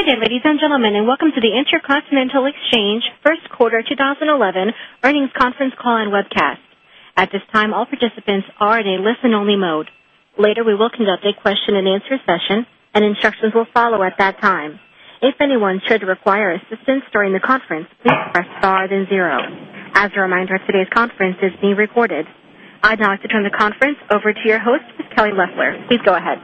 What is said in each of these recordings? Good evening, ladies and gentlemen, and welcome to the Intercontinental Exchange First Quarter 2011 Earnings Conference Call and Webcast. At this time, all participants are in a listen-only mode. Later, we will conduct a question-and-answer session, and instructions will follow at that time. If anyone should require assistance during the conference, please press star then zero. As a reminder, today's conference is being recorded. I'd now like to turn the conference over to your host, Ms. Kelly Loeffler. Please go ahead.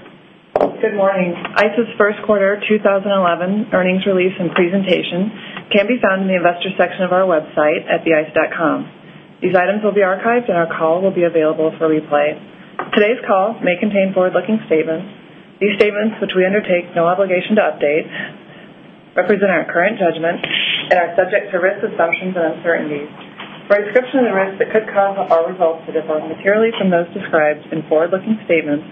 Good morning. ICE's first quarter 2011 earnings release and presentation can be found in the Investor section of our website at theice.com. These items will be archived, and our call will be available for replay. Today's call may contain forward-looking statements. These statements, which we undertake no obligation to update, represent our current judgment and are subject to risk assumptions and uncertainties. For a description of the risk that could come or result to differ materially from those described in forward-looking statements,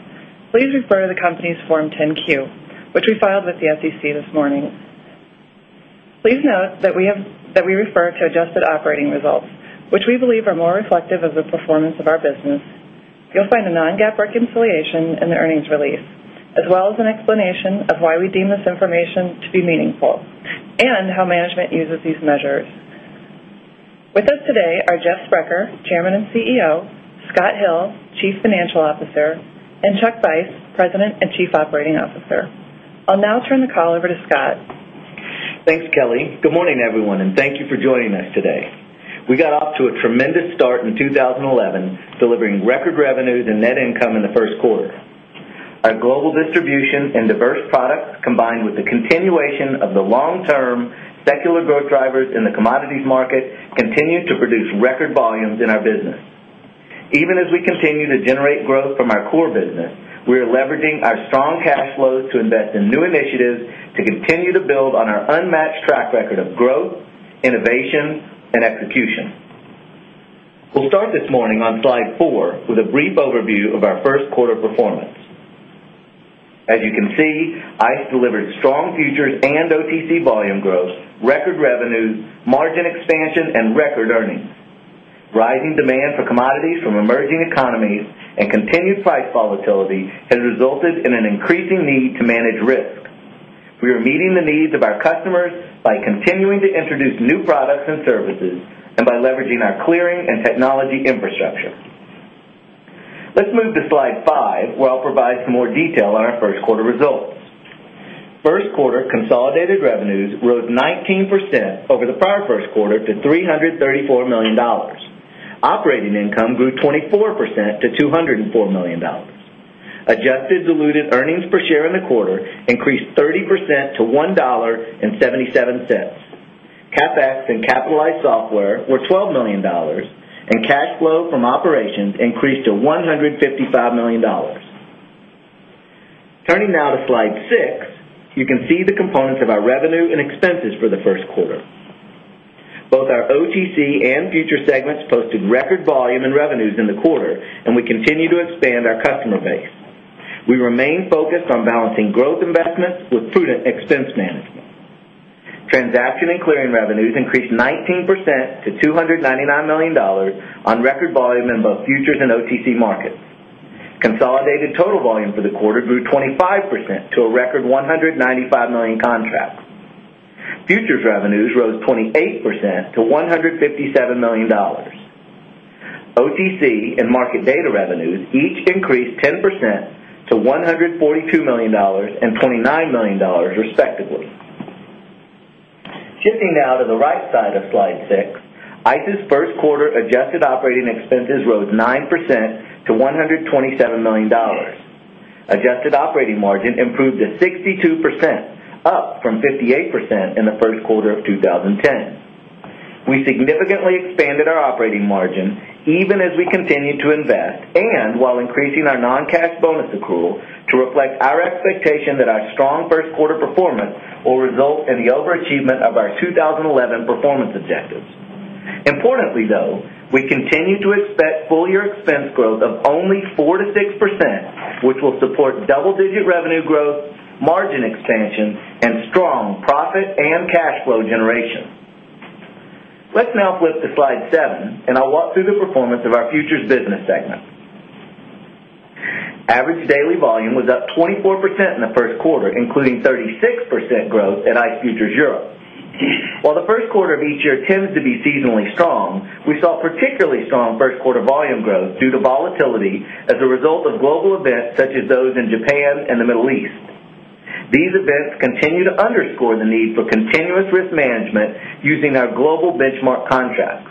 please refer to the company's Form 10-Q, which we filed with the SEC this morning. Please note that we refer to adjusted operating results, which we believe are more reflective of the performance of our business. You'll find a non-GAAP reconciliation in the earnings release, as well as an explanation of why we deem this information to be meaningful and how management uses these measures. With us today are Jeff Sprecher, Chairman and CEO, Scott Hill, Chief Financial Officer, and Chuck Vice, President and Chief Operating Officer. I'll now turn the call over to Scott. Thanks, Kelly. Good morning, everyone, and thank you for joining us today. We got off to a tremendous start in 2011, delivering record revenues and net income in the first quarter. Our global distribution and diverse products, combined with the continuation of the long-term secular growth drivers in the commodities market, continue to produce record volumes in our business. Even as we continue to generate growth from our core business, we are leveraging our strong cash flows to invest in new initiatives to continue to build on our unmatched track record of growth, innovation, and execution. We'll start this morning on slide four with a brief overview of our first quarter performance. As you can see, ICE delivered strong futures and OTC volume growth, record revenue, margin expansion, and record earnings. Rising demand for commodities from emerging economies and continued price volatility have resulted in an increasing need to manage risk. We are meeting the needs of our customers by continuing to introduce new products and services and by leveraging our clearing and technology infrastructure. Let's move to slide five, where I'll provide some more detail on our first-quarter results. First-quarter consolidated revenues rose 19% over the prior first quarter to $334 million. Operating income grew 24% to $204 million. Adjusted diluted earnings per share in the quarter increased 30% to $1.77. CapEx in capitalized software were $12 million, and cash flow from operations increased to $155 million. Turning now to slide six, you can see the components of our revenue and expenses for the first quarter. Both our OTC and futures segments posted record volume and revenues in the quarter, and we continue to expand our customer base. We remain focused on balancing growth investments with prudent expense management. Transaction and clearing revenues increased 19% to $299 million on record volume in both futures and OTC markets. Consolidated total volume for the quarter grew 25% to a record 195 million contracts. Futures revenues rose 28% to $157 million. OTC and market data revenues each increased 10% to $142 million and $29 million, respectively. Shifting now to the right side of slide six, ICE's first-quarter adjusted operating expenses rose 9% to $127 million. Adjusted operating margin improved to 62%, up from 58% in the first quarter of 2010. We significantly expanded our operating margin even as we continued to invest and while increasing our non-cash bonus accrual to reflect our expectation that our strong first-quarter performance will result in the overachievement of our 2011 performance objectives. Importantly, though, we continue to expect full-year expense growth of only 4%-6%, which will support double-digit revenue growth, margin expansion, and strong profit and cash flow generation. Let's now flip to slide seven, and I'll walk through the performance of our futures business segment. Average daily volume was up 24% in the first quarter, including 36% growth at ICE Futures Europe. While the first quarter of each year tends to be seasonally strong, we saw particularly strong first-quarter volume growth due to volatility as a result of global events such as those in Japan and the Middle East. These events continue to underscore the need for continuous risk management using our global benchmark contracts.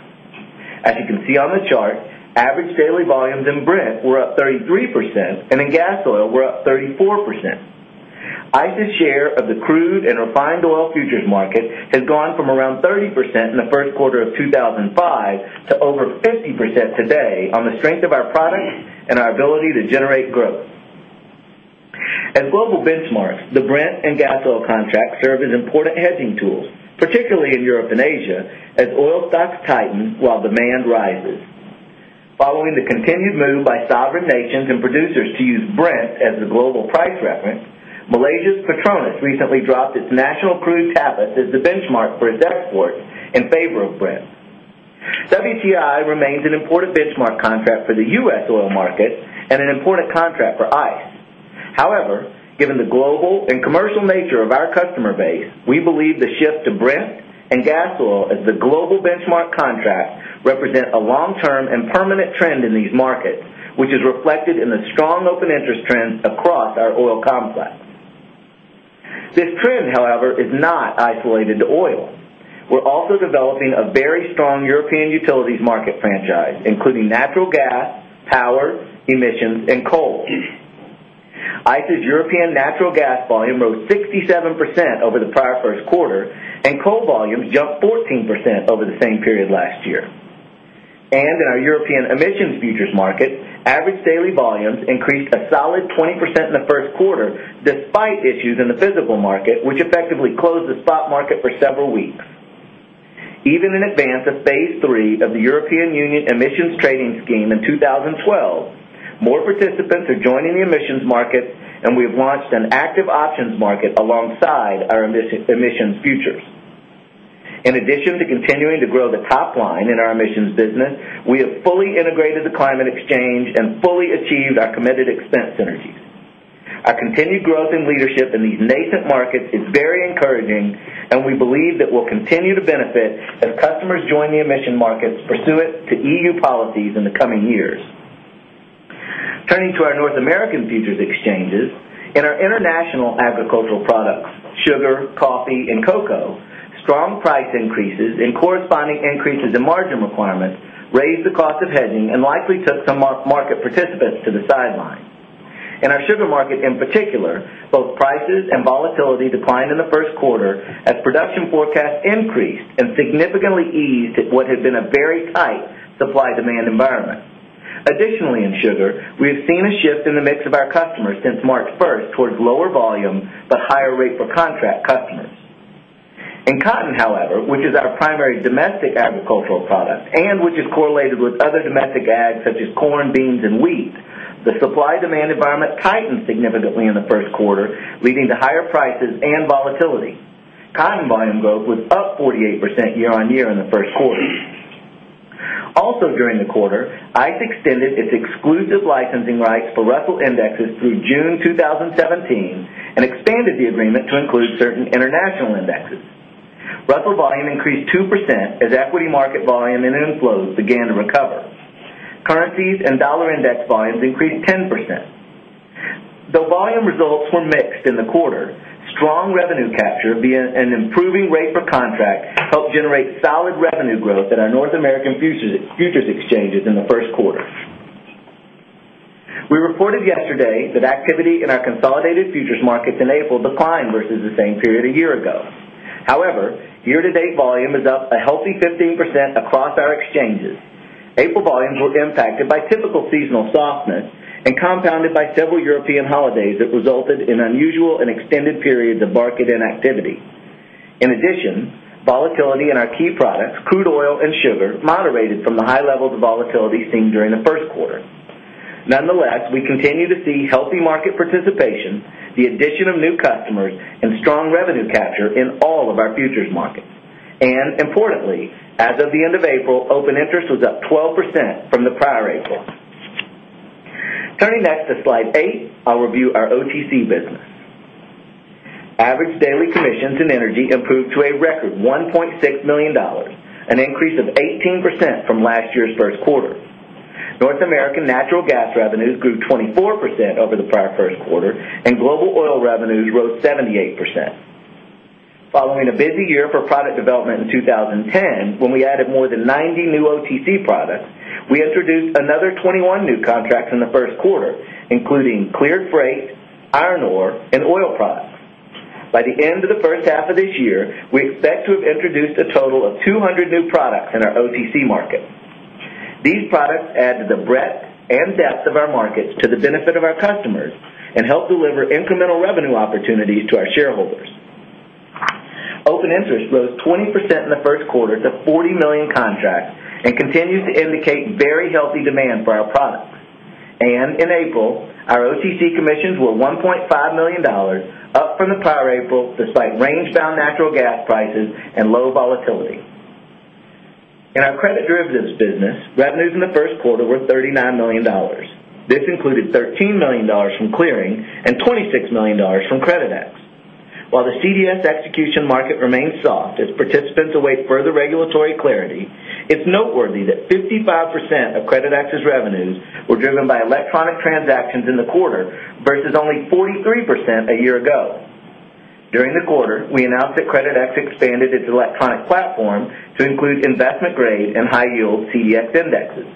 As you can see on the chart, average daily volumes in Brent were up 33%, and in Gasoil were up 34%. ICE's share of the crude and refined oil futures market has gone from around 30% in the first quarter of 2005 to over 50% today on the strength of our products and our ability to generate growth. As global benchmarks, the Brent and Gasoil contracts serve as important hedging tools, particularly in Europe and Asia, as oil stocks tighten while demand rises. Following the continued move by sovereign nations and producers to use Brent as the global price reference, Malaysia's Petronas recently dropped its natural crude Tapis as the benchmark for its exports in favor of Brent. WTI remains an important benchmark contract for the U.S. oil market and an important contract for ICE. However, given the global and commercial nature of our customer base, we believe the shift to Brent and Gasoil as the global benchmark contract represents a long-term and permanent trend in these markets, which is reflected in the strong open interest trends across our oil complex. This trend, however, is not isolated to oil. We're also developing a very strong European utilities market franchise, including natural gas, power, emissions, and coal. ICE's European natural gas volume rose 67% over the prior first quarter, and coal volumes jumped 14% over the same period last year. In our European emissions futures market, average daily volumes increased a solid 20% in the first quarter, despite issues in the physical market, which effectively closed the spot market for several weeks. Even in advance of phase III of the European Union emissions trading scheme in 2012, more participants are joining the emissions markets, and we've launched an active options market alongside our emissions futures. In addition to continuing to grow the top line in our emissions business, we have fully integrated the Climate Exchange and fully achieved our committed expense synergy. Our continued growth in leadership in these nascent markets is very encouraging, and we believe that we'll continue to benefit as customers join the emissions markets pursuant to EU policies in the coming years. Turning to our North American futures exchanges and our international agricultural products, sugar, coffee, and cocoa, strong price increases and corresponding increases in margin requirements raised the cost of hedging and likely took some market participants to the sideline. In our sugar market in particular, both prices and volatility declined in the first quarter as production forecasts increased and significantly eased what had been a very tight supply-demand environment. Additionally, in sugar, we have seen a shift in the mix of our customers since March 1st toward lower volume but higher rate per contract customers. In cotton, however, which is our primary domestic agricultural product and which is correlated with other domestic Ags such as corn, beans, and wheat, the supply-demand environment tightened significantly in the first quarter, leading to higher prices and volatility. Cotton volume growth was up 48% year-on-year in the first quarter. Also, during the quarter, ICE extended its exclusive licensing rights for Russell Indexes through June 2017 and expanded the agreement to include certain international indexes. Russell volume increased 2% as equity market volume and inflows began to recover. Currencies and Dollar Index volumes increased 10%. Though volume results were mixed in the quarter, strong revenue capture via an improving rate per contract helped generate solid revenue growth at our North American futures exchanges in the first quarter. We reported yesterday that activity in our consolidated futures markets in April declined versus the same period a year ago. However, year-to-date volume is up a healthy 15% across our exchanges. April volumes were impacted by typical seasonal softness and compounded by several European holidays that resulted in unusual and extended periods of market inactivity. In addition, volatility in our key products, crude oil and sugar, moderated from the high levels of volatility seen during the first quarter. Nonetheless, we continue to see healthy market participation, the addition of new customers, and strong revenue capture in all of our futures markets. Importantly, as of the end of April, open interest was up 12% from the prior rate hit. Turning next to slide eight, I'll review our OTC business. Average daily commissions in energy improved to a record $1.6 million, an increase of 18% from last year's first quarter. North American natural gas revenues grew 24% over the prior first quarter, and global oil revenues rose 78%. Following a busy year for product development in 2010, when we added more than 90 new OTC products, we introduced another 21 new contracts in the first quarter, including cleared freight, iron ore, and oil products. By the end of the first half of this year, we expect to have introduced a total of 200 new products in our OTC market. These products add to the breadth and depth of our markets to the benefit of our customers and help deliver incremental revenue opportunities to our shareholders. Open interest rose 20% in the first quarter to 40 million contracts and continues to indicate very healthy demand for our products. In April, our OTC commissions were $1.5 million, up from the prior April despite rangebound natural gas prices and low volatility. In our credit derivatives business, revenues in the first quarter were $39 million. This included $13 million from clearing and $26 million from Creditex. While the CDS execution market remains soft as participants await further regulatory clarity, it's noteworthy that 55% of Creditex's revenues were driven by electronic transactions in the quarter versus only 43% a year ago. During the quarter, we announced that Creditex expanded its electronic platform to include investment-grade and high-yield CDX indexes.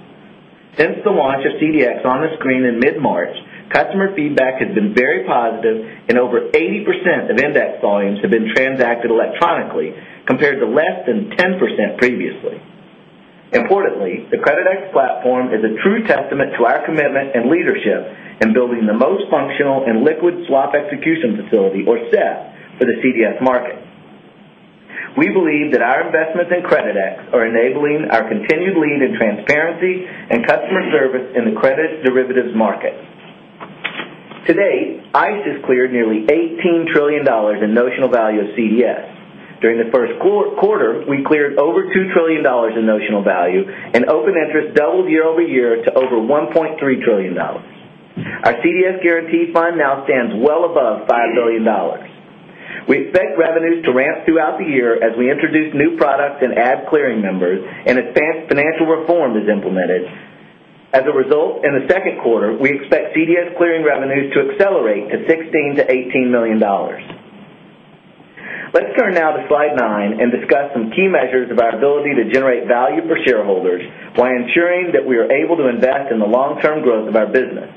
Since the launch of CDX on the screen in mid-March, customer feedback has been very positive, and over 80% of index volumes have been transacted electronically compared to less than 10% previously. Importantly, the Creditex platform is a true testament to our commitment and leadership in building the most functional and liquid swap execution facility, or SEF, for the CDS market. We believe that our investments in Creditex are enabling our continued lead in transparency and customer service in the credit derivatives market. Today, ICE has cleared nearly $18 trillion in notional value of CDS. During the first quarter, we cleared over $2 trillion in notional value, and open interest doubled year-over-year to over $1.3 trillion. Our CDS guarantee fund now stands well above $5 billion. We expect revenues to ramp throughout the year as we introduce new products and add clearing members, and as financial reform is implemented. As a result, in the second quarter, we expect CDS clearing revenues to accelerate to $16 million-$18 million. Let's turn now to slide nine and discuss some key measures of our ability to generate value for shareholders by ensuring that we are able to invest in the long-term growth of our business.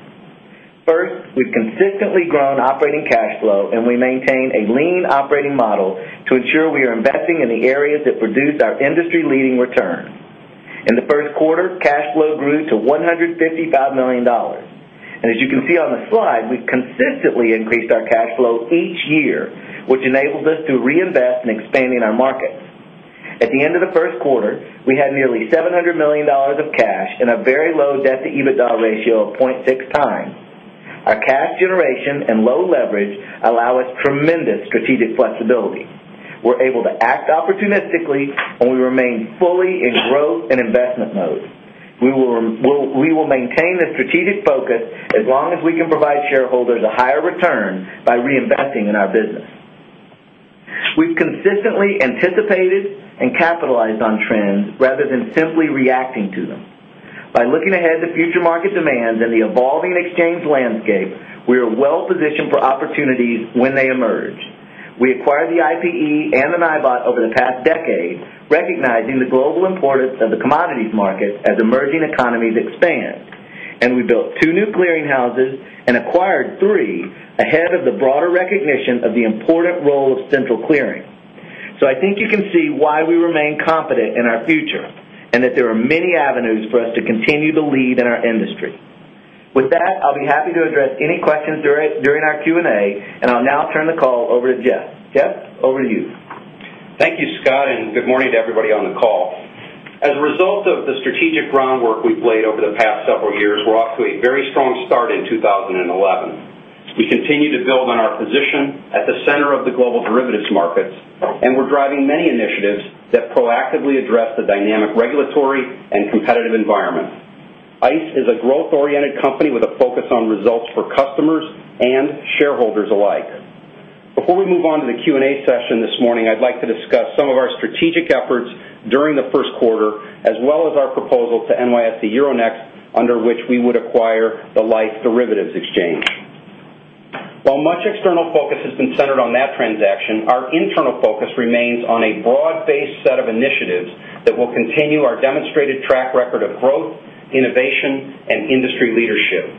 First, we've consistently grown operating cash flow, and we maintain a lean operating model to ensure we are investing in the areas that produce our industry-leading return. In the first quarter, cash flow grew to $155 million. As you can see on the slide, we've consistently increased our cash flow each year, which enabled us to reinvest in expanding our markets. At the end of the first quarter, we had nearly $700 million of cash and a very low debt-to-EBITDA ratio of 0.6x. Our cash generation and low leverage allow us tremendous strategic flexibility. We're able to act opportunistically, and we remain fully in growth and investment mode. We will maintain the strategic focus as long as we can provide shareholders a higher return by reinvesting in our business. We've consistently anticipated and capitalized on trends rather than simply reacting to them. By looking ahead to future market demands and the evolving exchange landscape, we are well-positioned for opportunities when they emerge. We acquired the IPE and an IBOT over the past decade, recognizing the global importance of the commodities market as emerging economies expand. We built two new clearinghouses and acquired three ahead of the broader recognition of the important role of central clearing. I think you can see why we remain confident in our future and that there are many avenues for us to continue to lead in our industry. With that, I'll be happy to address any questions during our Q&A, and I'll now turn the call over to Jeff. Jeff, over to you. Thank you, Scott, and good morning to everybody on the call. As a result of the strategic groundwork we've laid over the past several years, we're off to a very strong start in 2011. We continue to build on our position at the center of the global derivatives markets, and we're driving many initiatives that proactively address the dynamic regulatory and competitive environments. ICE is a growth-oriented company with a focus on results for customers and shareholders alike. Before we move on to the Q&A session this morning, I'd like to discuss some of our strategic efforts during the first quarter, as well as our proposal to NYSE Euronext, under which we would acquire the Liffe derivatives exchange. While much external focus has been centered on that transaction, our internal focus remains on a broad-based set of initiatives that will continue our demonstrated track record of growth, innovation, and industry leadership.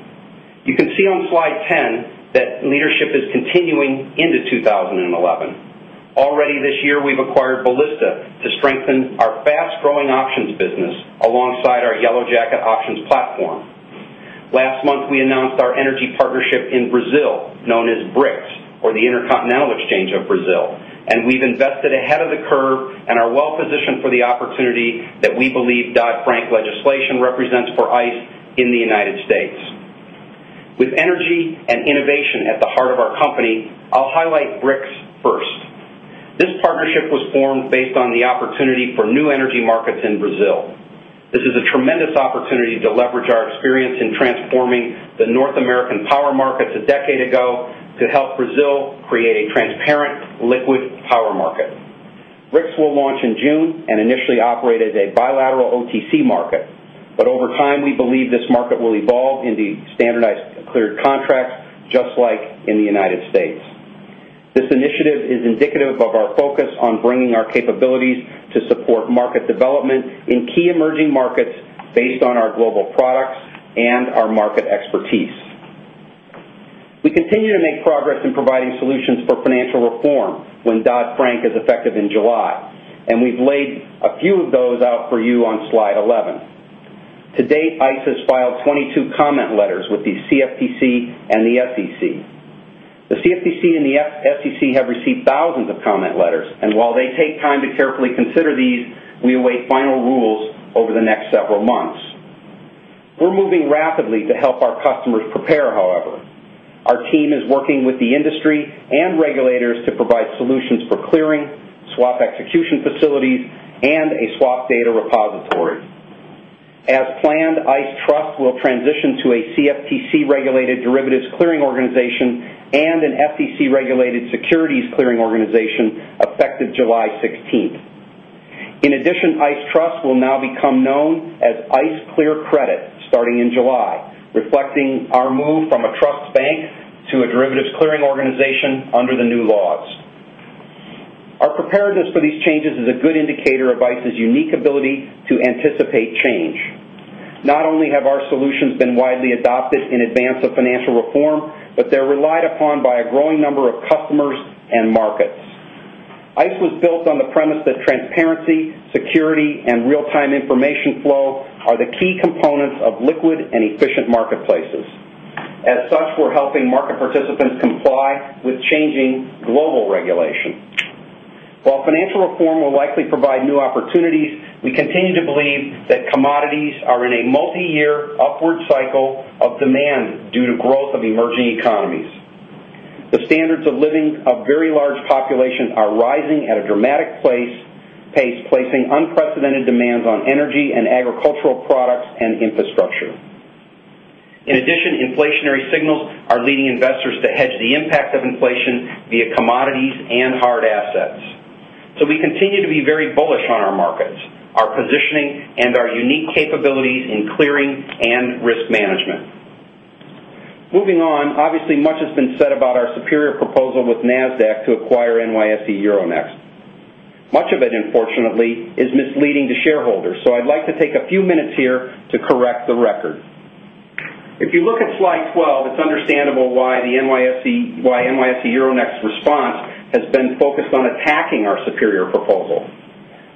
You can see on slide 10 that leadership is continuing into 2011. Already this year, we've acquired Ballista to strengthen our fast-growing options business alongside our YellowJacket options platform. Last month, we announced our energy partnership in Brazil, known as BRIX, or the Intercontinental Exchange of Brazil, and we've invested ahead of the curve and are well-positioned for the opportunity that we believe Dodd-Frank legislation represents for ICE in the United States. With energy and innovation at the heart of our company, I'll highlight BRIX first. This partnership was formed based on the opportunity for new energy markets in Brazil. This is a tremendous opportunity to leverage our experience in transforming the North American power markets a decade ago to help Brazil create a transparent, liquid power market. BRIX will launch in June and initially operate as a bilateral OTC market, but over time, we believe this market will evolve into standardized cleared contracts, just like in the United States. This initiative is indicative of our focus on bringing our capabilities to support market development in key emerging markets based on our global products and our market expertise. We continue to make progress in providing solutions for financial reform when Dodd-Frank is effective in July, and we've laid a few of those out for you on slide 11. To date, ICE has filed 22 comment letters with the CFTC and the SEC. The CFTC and the SEC have received thousands of comment letters, and while they take time to carefully consider these, we await final rules over the next several months. We're moving rapidly to help our customers prepare, however. Our team is working with the industry and regulators to provide solutions for clearing, swap execution facilities, and a swap data repository. As planned, ICE Trust will transition to a CFTC-regulated derivatives clearing organization and an SEC-regulated securities clearing organization effective July 16th. In addition, ICE Trust will now become known as ICE Clear Credit starting in July, reflecting our move from a trust bank to a derivatives clearing organization under the new laws. Our preparedness for these changes is a good indicator of ICE's unique ability to anticipate change. Not only have our solutions been widely adopted in advance of financial reform, but they're relied upon by a growing number of customers and markets. ICE was built on the premise that transparency, security, and real-time information flow are the key components of liquid and efficient marketplaces. As such, we're helping market participants comply with changing global regulation. While financial reform will likely provide new opportunities, we continue to believe that commodities are in a multi-year upward cycle of demand due to growth of emerging economies. The standards of living of very large populations are rising at a dramatic pace, placing unprecedented demands on energy and agricultural products and infrastructure. In addition, inflationary signals are leading investors to hedge the impact of inflation via commodities and hard assets. We continue to be very bullish on our markets, our positioning, and our unique capabilities in clearing and risk management. Moving on, obviously, much has been said about our superior proposal with Nasdaq to acquire NYSE Euronext. Much of it, unfortunately, is misleading to shareholders, so I'd like to take a few minutes here to correct the record. If you look at slide 12, it's understandable why the NYSE Euronext response has been focused on attacking our superior proposal.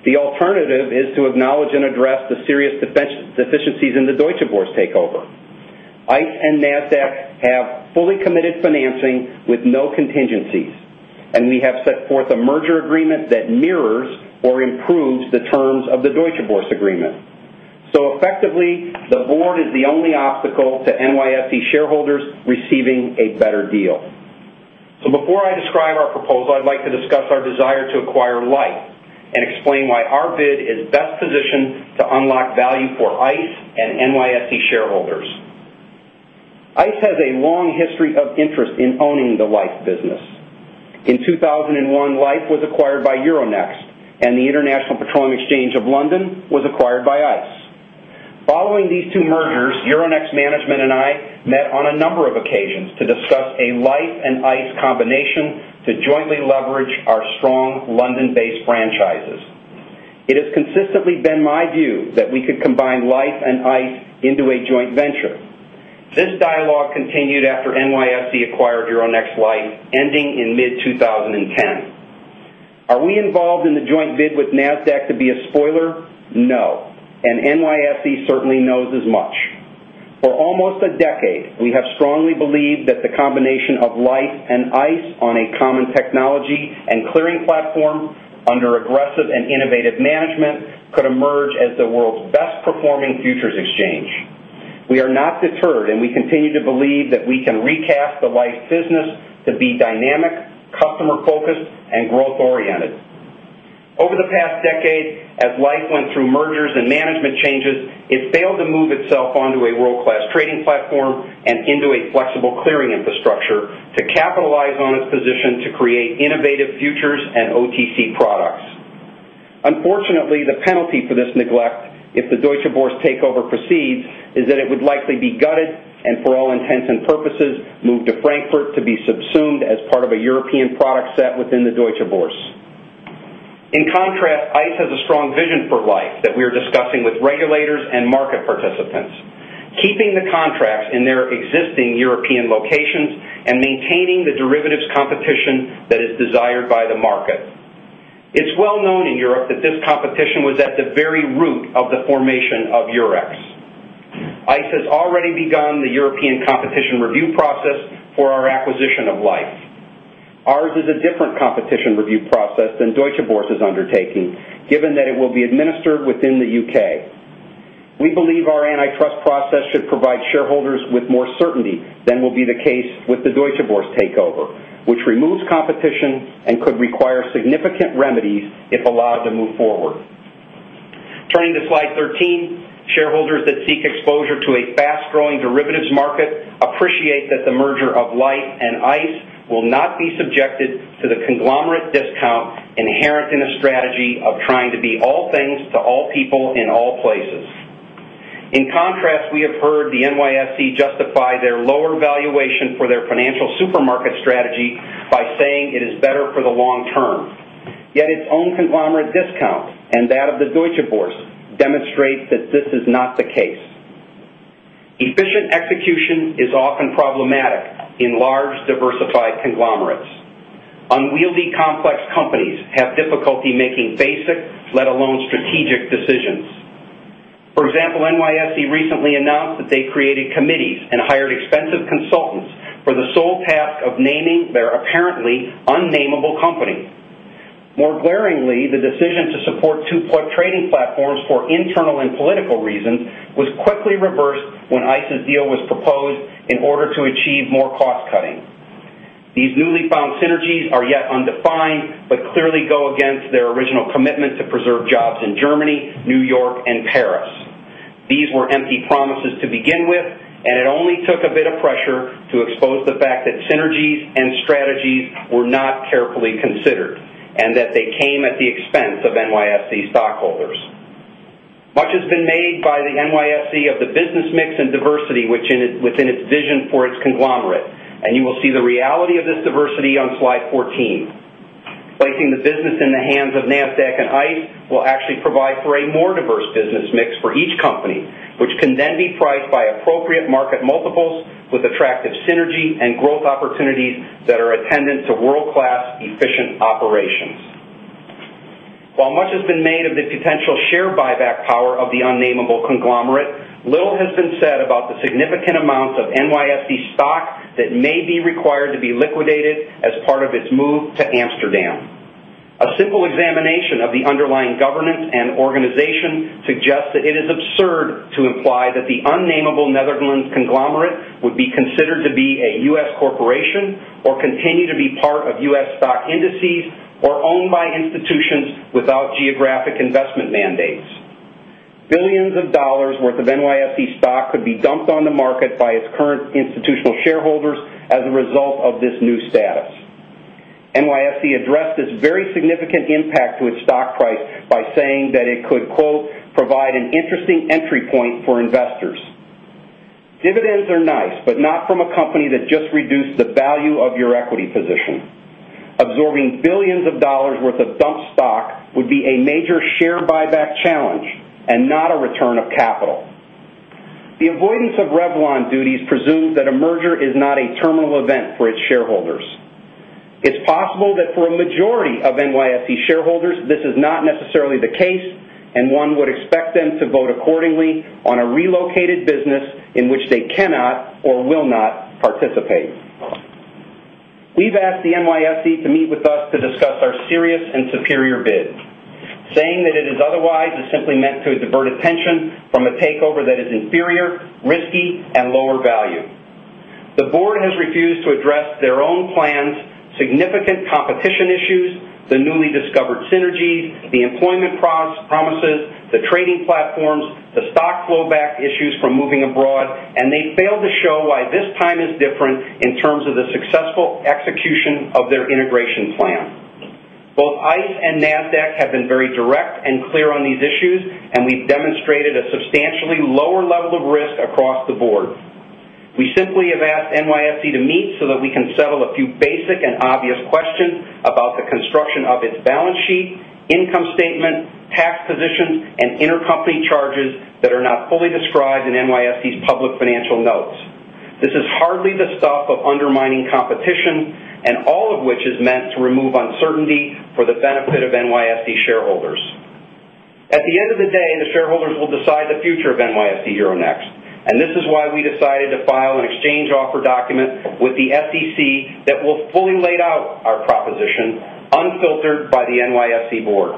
The alternative is to acknowledge and address the serious deficiencies in the Deutsche Börse takeover. ICE and Nasdaq have fully committed financing with no contingencies, and we have set forth a merger agreement that mirrors or improves the terms of the Deutsche Börse agreement. Effectively, the board is the only obstacle to NYSE shareholders receiving a better deal. Before I describe our proposal, I'd like to discuss our desire to acquire Liffe and explain why our bid is best positioned to unlock value for ICE and NYSE shareholders. ICE has a long history of interest in owning the Liffe business. In 2001, Liffe was acquired by Euronext, and the International Petroleum Exchange of London was acquired by ICE. Following these two mergers, Euronext management and I met on a number of occasions to discuss a Liffe and ICE combination to jointly leverage our strong London-based franchises. It has consistently been my view that we could combine Liffe and ICE into a joint venture. This dialogue continued after NYSE acquired Euronext Liffe, ending in mid-2010. Are we involved in the joint bid with Nasdaq to be a spoiler? No, and NYSE certainly knows as much. For almost a decade, we have strongly believed that the combination of Liffe and ICE on a common technology and clearing platform under aggressive and innovative management could emerge as the world's best-performing futures exchange. We are not deterred, and we continue to believe that we can recast the Liffe business to be dynamic, customer-focused, and growth-oriented. Over the past decade, as Liffe went through mergers and management changes, it failed to move itself onto a world-class trading platform and into a flexible clearing infrastructure to capitalize on its position to create innovative futures and OTC products. Unfortunately, the penalty for this neglect, if the Deutsche Börse takeover proceeds, is that it would likely be gutted and, for all intents and purposes, moved to Frankfurt to be subsumed as part of a European product set within the Deutsche Börse. In contrast, ICE has a strong vision for Liffe that we are discussing with regulators and market participants, keeping the contracts in their existing European locations and maintaining the derivatives competition that is desired by the market. It's well known in Europe that this competition was at the very root of the formation of Eurex. ICE has already begun the European competition review process for our acquisition of Liffe. Ours is a different competition review process than Deutsche Börse is undertaking, given that it will be administered within the U.K. We believe our antitrust process should provide shareholders with more certainty than will be the case with the Deutsche Börse takeover, which removes competition and could require significant remedies if allowed to move forward. Turning to slide 13, shareholders that seek exposure to a fast-growing derivatives market appreciate that the merger of Liffe and ICE will not be subjected to the conglomerate discount inherent in a strategy of trying to be all things to all people in all places. In contrast, we have heard the NYSE justify their lower valuation for their financial supermarket strategy by saying it is better for the long term. Yet its own conglomerate discount and that of the Deutsche Börse demonstrate that this is not the case. Efficient execution is often problematic in large, diversified conglomerates. Unwieldy, complex companies have difficulty making basic, let alone strategic, decisions. For example, NYSE recently announced that they created committees and hired expensive consultants for the sole task of naming their apparently unnamable company. More glaringly, the decision to support two trading platforms for internal and political reasons was quickly reversed when ICE's deal was proposed in order to achieve more cost cutting. These newly found synergies are yet undefined but clearly go against their original commitment to preserve jobs in Germany, New York, and Paris. These were empty promises to begin with, and it only took a bit of pressure to expose the fact that synergies and strategies were not carefully considered and that they came at the expense of NYSE stockholders. Much has been made by the NYSE of the business mix and diversity within its vision for its conglomerate, and you will see the reality of this diversity on slide 14. Placing the business in the hands of Nasdaq and ICE will actually provide for a more diverse business mix for each company, which can then be priced by appropriate market multiples with attractive synergy and growth opportunities that are attendant to world-class, efficient operations. While much has been made of the potential share buyback power of the unnamable conglomerate, little has been said about the significant amounts of NYSE stock that may be required to be liquidated as part of its move to Amsterdam. A simple examination of the underlying governance and organization suggests that it is absurd to imply that the unnamable Netherlands conglomerate would be considered to be a U.S. corporation or continue to be part of U.S. stock indices or owned by institutions without geographic investment mandates. Billions of dollars' worth of NYSE stock could be dumped on the market by its current institutional shareholders as a result of this new status. NYSE addressed this very significant impact to its stock price by saying that it could, quote, "provide an interesting entry point for investors." Dividends are nice, but not from a company that just reduced the value of your equity position. Absorbing billions of dollars' worth of dumped stock would be a major share buyback challenge and not a return of capital. The avoidance of Revlon duties presumes that a merger is not a terminal event for its shareholders. It is possible that for a majority of NYSE shareholders, this is not necessarily the case, and one would expect them to vote accordingly on a relocated business in which they cannot or will not participate. We have asked the NYSE to meet with us to discuss our serious and superior bid, saying that it is otherwise simply meant to divert attention from a takeover that is inferior, risky, and lower value. The board has refused to address their own plans, significant competition issues, the newly-discovered synergies, the employment promises, the trading platforms, the stock flowback issues from moving abroad, and they failed to show why this time is different in terms of the successful execution of their integration plan. Both ICE and Nasdaq have been very direct and clear on these issues, and we have demonstrated a substantially lower level of risk across the board. We simply have asked NYSE to meet so that we can settle a few basic and obvious questions about the construction of its balance sheet, income statement, tax positions, and intercompany charges that are not fully described in NYSE's public financial notes. This is hardly the stuff of undermining competition, and all of which is meant to remove uncertainty for the benefit of NYSE shareholders. At the end of the day, the shareholders will decide the future of NYSE Euronext, and this is why we decided to file an exchange offer document with the SEC that will fully lay out our proposition unfiltered by the NYSE board.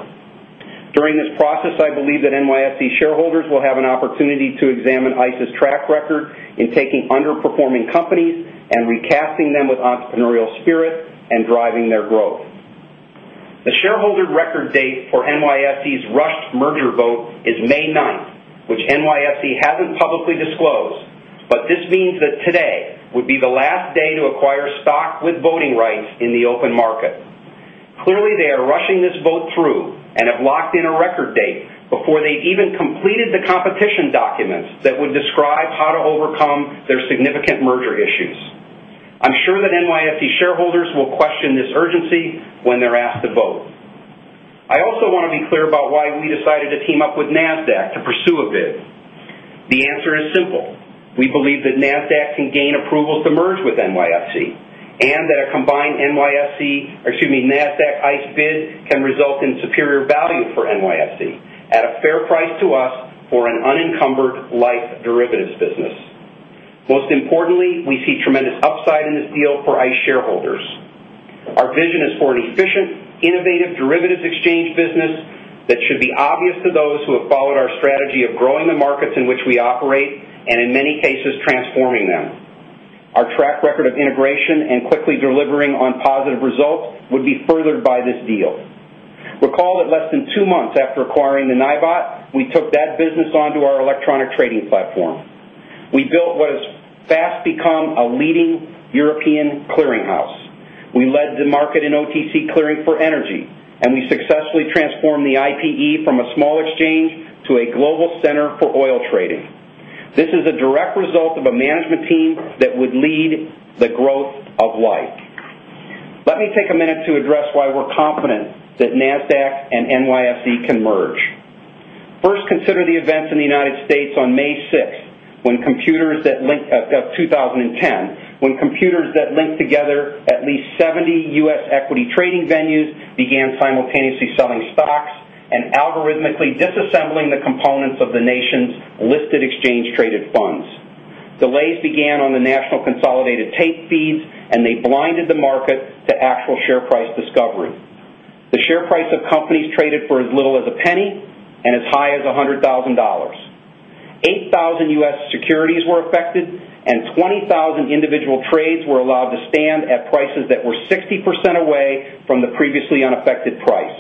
During this process, I believe that NYSE shareholders will have an opportunity to examine ICE's track record in taking underperforming companies and recasting them with entrepreneurial spirit and driving their growth. The shareholder record date for NYSE's rushed merger vote is May 9th, which NYSE hasn't publicly disclosed, but this means that today would be the last day to acquire stock with voting rights in the open market. Clearly, they are rushing this vote through and have locked in a record date before they've even completed the competition documents that would describe how to overcome their significant merger issues. I'm sure that NYSE shareholders will question this urgency when they're asked to vote. I also want to be clear about why we decided to team up with Nasdaq to pursue a bid. The answer is simple. We believe that Nasdaq can gain approvals to merge with NYSE and that a combined NYSE, excuse me, Nasdaq-ICE bid can result in superior value for NYSE at a fair price to us for an unencumbered Liffe derivatives business. Most importantly, we see tremendous upside in this deal for ICE shareholders. Our vision is for an efficient, innovative derivatives exchange business that should be obvious to those who have followed our strategy of growing the markets in which we operate and, in many cases, transforming them. Our track record of integration and quickly delivering on positive results would be furthered by this deal. Recall that less than two months after acquiring the NYBOT, we took that business onto our electronic trading platform. We built what has fast become a leading European clearinghouse. We led the market in OTC clearing for energy, and we successfully transformed the IPE from a small exchange to a global center for oil trading. This is a direct result of a management team that would lead the growth of Liffe. Let me take a minute to address why we're confident that Nasdaq and NYSE can merge. First, consider the events in the U.S. on May 6th, 2010, when computers that linked together at least 70 U.S. equity trading venues began simultaneously selling stocks and algorithmically disassembling the components of the nation's listed exchange-traded funds. Delays began on the national consolidated tape feeds, and they blinded the market to actual share price discovery. The share price of companies traded for as little as $0.01 and as high as $100,000. 8,000 U.S. securities were affected, and 20,000 individual trades were allowed to stand at prices that were 60% away from the previously unaffected price.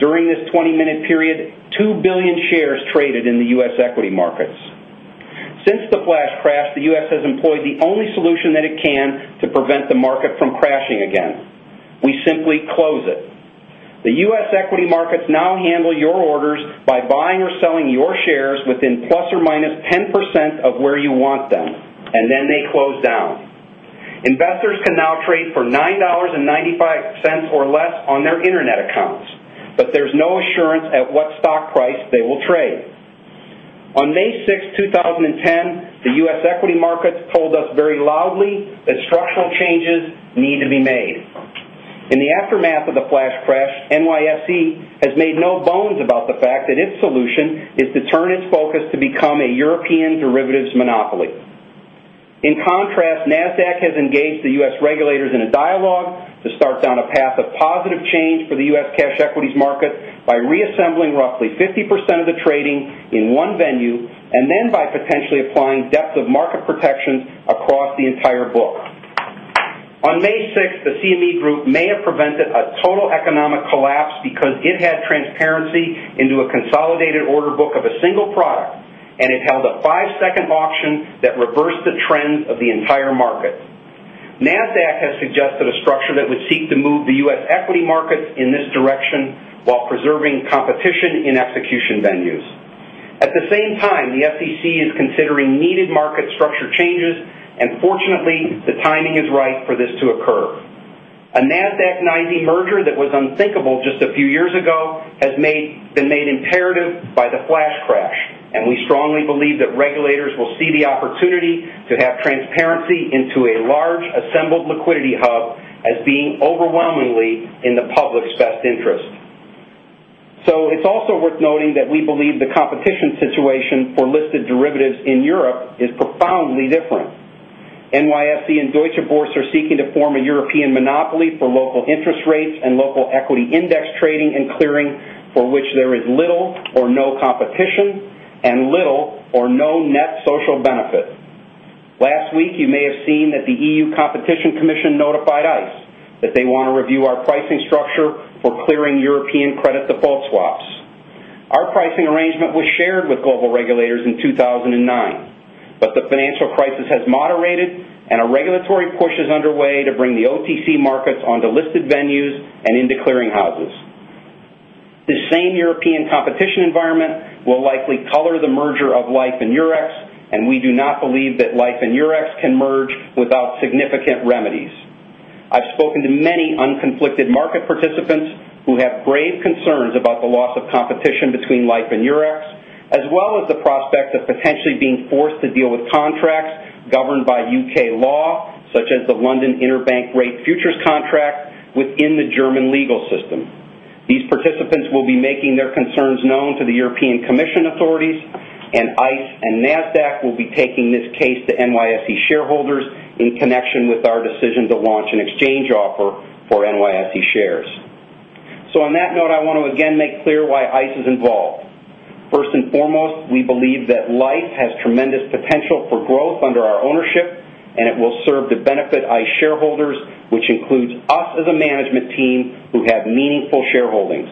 During this 20-minute period, 2 billion shares traded in the U.S. equity markets. Since the flash crash, the U.S. has employed the only solution that it can to prevent the market from crashing again. We simply close it. The U.S. equity markets now handle your orders by buying or selling your shares within ±10% of where you want them, and then they close down. Investors can now trade for $9.95 or less on their internet accounts, but there's no assurance at what stock price they will trade. On May 6th, 2010, the U.S. equity markets told us very loudly that structural changes need to be made. In the aftermath of the flash crash, NYSE has made no bones about the fact that its solution is to turn its focus to become a European derivatives monopoly. In contrast, Nasdaq has engaged the U.S. regulators in a dialogue to start down a path of positive change for the U.S. cash equities market by reassembling roughly 50% of the trading in one venue and then by potentially applying depth of market protection across the entire book. On May 6th, the CME Group may have prevented a total economic collapse because it had transparency into a consolidated order book of a single product, and it held a five-second auction that reversed the trends of the entire market. Nasdaq has suggested a structure that would seek to move the U.S. equity markets in this direction while preserving competition in execution venues. At the same time, the SEC is considering needed market structure changes, and fortunately, the timing is right for this to occur. A Nasdaq-NYSE merger that was unthinkable just a few years ago has been made imperative by the flash crash, and we strongly believe that regulators will see the opportunity to have transparency into a large assembled liquidity hub as being overwhelmingly in the public's best interest. It is also worth noting that we believe the competition situation for listed derivatives in Europe is profoundly different. NYSE and Deutsche Börse are seeking to form a European monopoly for local interest rates and local equity index trading and clearing, for which there is little or no competition and little or no net social benefit. Last week, you may have seen that the EU Competition Commission notified us that they want to review our pricing structure for clearing European credit default swaps. Our pricing arrangement was shared with global regulators in 2009, but the financial crisis has moderated, and a regulatory push is underway to bring the OTC markets onto listed venues and into clearinghouses. The same European competition environment will likely color the merger of Liffe and Eurex, and we do not believe that Liffe and Eurex can merge without significant remedies. I've spoken to many unconflicted market participants who have grave concerns about the loss of competition between Liffe and Eurex, as well as the prospect of potentially being forced to deal with contracts governed by U.K. law, such as the London Interbank Rate Futures contract within the German legal system. These participants will be making their concerns known to the European Commission authorities, and ICE and Nasdaq will be taking this case to NYSE shareholders in connection with our decision to launch an exchange offer for NYSE shares. I want to again make clear why ICE is involved. First and foremost, we believe that Liffe has tremendous potential for growth under our ownership, and it will serve to benefit ICE shareholders, which includes us as a management team who have meaningful shareholdings.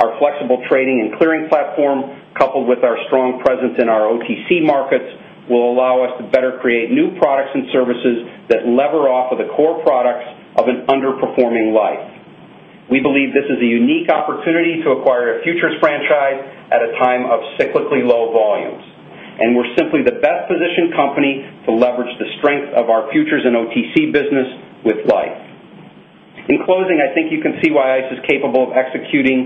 Our flexible trading and clearing platform, coupled with our strong presence in our OTC markets, will allow us to better create new products and services that lever off of the core products of an underperforming Liffe. We believe this is a unique opportunity to acquire a futures franchise at a time of cyclically low volumes, and we're simply the best-positioned company to leverage the strength of our futures and OTC business with Liffe. In closing, I think you can see why Intercontinental Exchange is capable of executing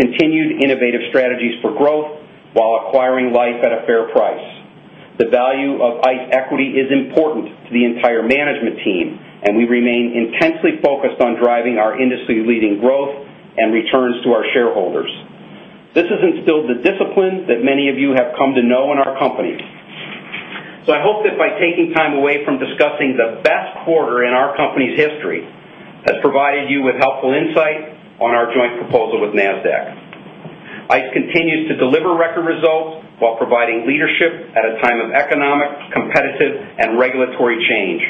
continued innovative strategies for growth while acquiring Liffe at a fair price. The value of ICE equity is important to the entire management team, and we remain intensely focused on driving our industry-leading growth and returns to our shareholders. This has instilled the discipline that many of you have come to know in our company. I hope that by taking time away from discussing the best quarter in our company's history, that provided you with helpful insight on our joint proposal with Nasdaq. ICE continues to deliver record results while providing leadership at a time of economic, competitive, and regulatory change.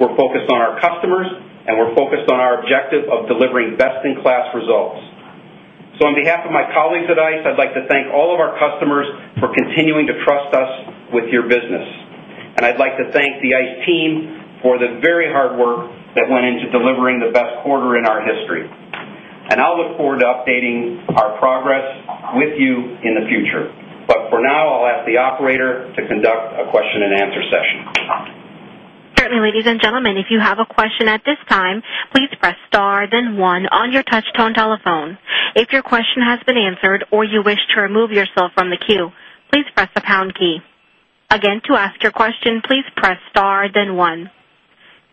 We're focused on our customers, and we're focused on our objective of delivering best-in-class results. On behalf of my colleagues at ICE, I'd like to thank all of our customers for continuing to trust us with your business. I'd like to thank the ICE team for the very hard work that went into delivering the best quarter in our history. I look forward to updating our progress with you in the future. For now, I'll ask the operator to conduct a question-and-answer session. Certainly, ladies and gentlemen, if you have a question at this time, please press star, then one on your touch-tone telephone. If your question has been answered or you wish to remove yourself from the queue, please press the pound key. Again, to ask your question, please press star, then one.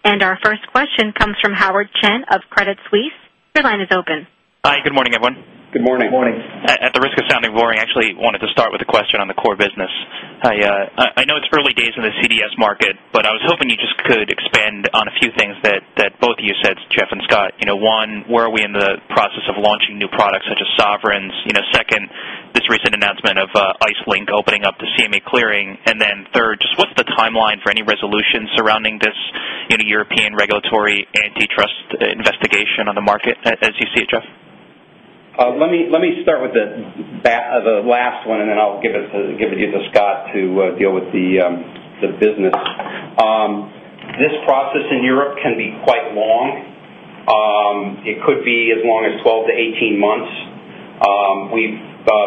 Our first question comes from Howard Chen of Credit Suisse. Your line is open. Hi, good morning, everyone. Good morning. Good morning. Good morning. At the risk of sounding boring, I actually wanted to start with a question on the core business. I know it's early days in the CDS market, but I was hoping you just could expand on a few things that both of you said, Jeff and Scott. One, where are we in the process of launching new products such as sovereigns? Second, this recent announcement of ICE Link opening up the CME clearing. Third, what's the timeline for any resolution surrounding this European regulatory antitrust investigation on the market as you see it, Jeff? Let me start with the last one, and then I'll give it to you, Scott, to deal with the business. This process in Europe can be quite long. It could be as long as 12-18 months. We've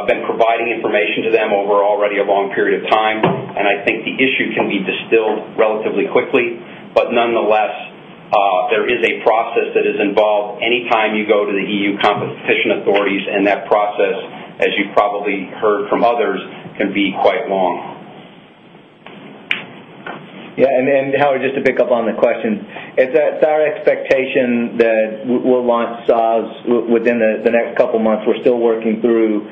been providing information to them over already a long period of time, and I think the issue can be distilled relatively quickly. Nonetheless, there is a process that is involved anytime you go to the EU competition authorities, and that process, as you've probably heard from others, can be quite long. Yeah, and Howard, just to pick up on the question, it's our expectation that we'll launch SOVs within the next couple of months. We're still working through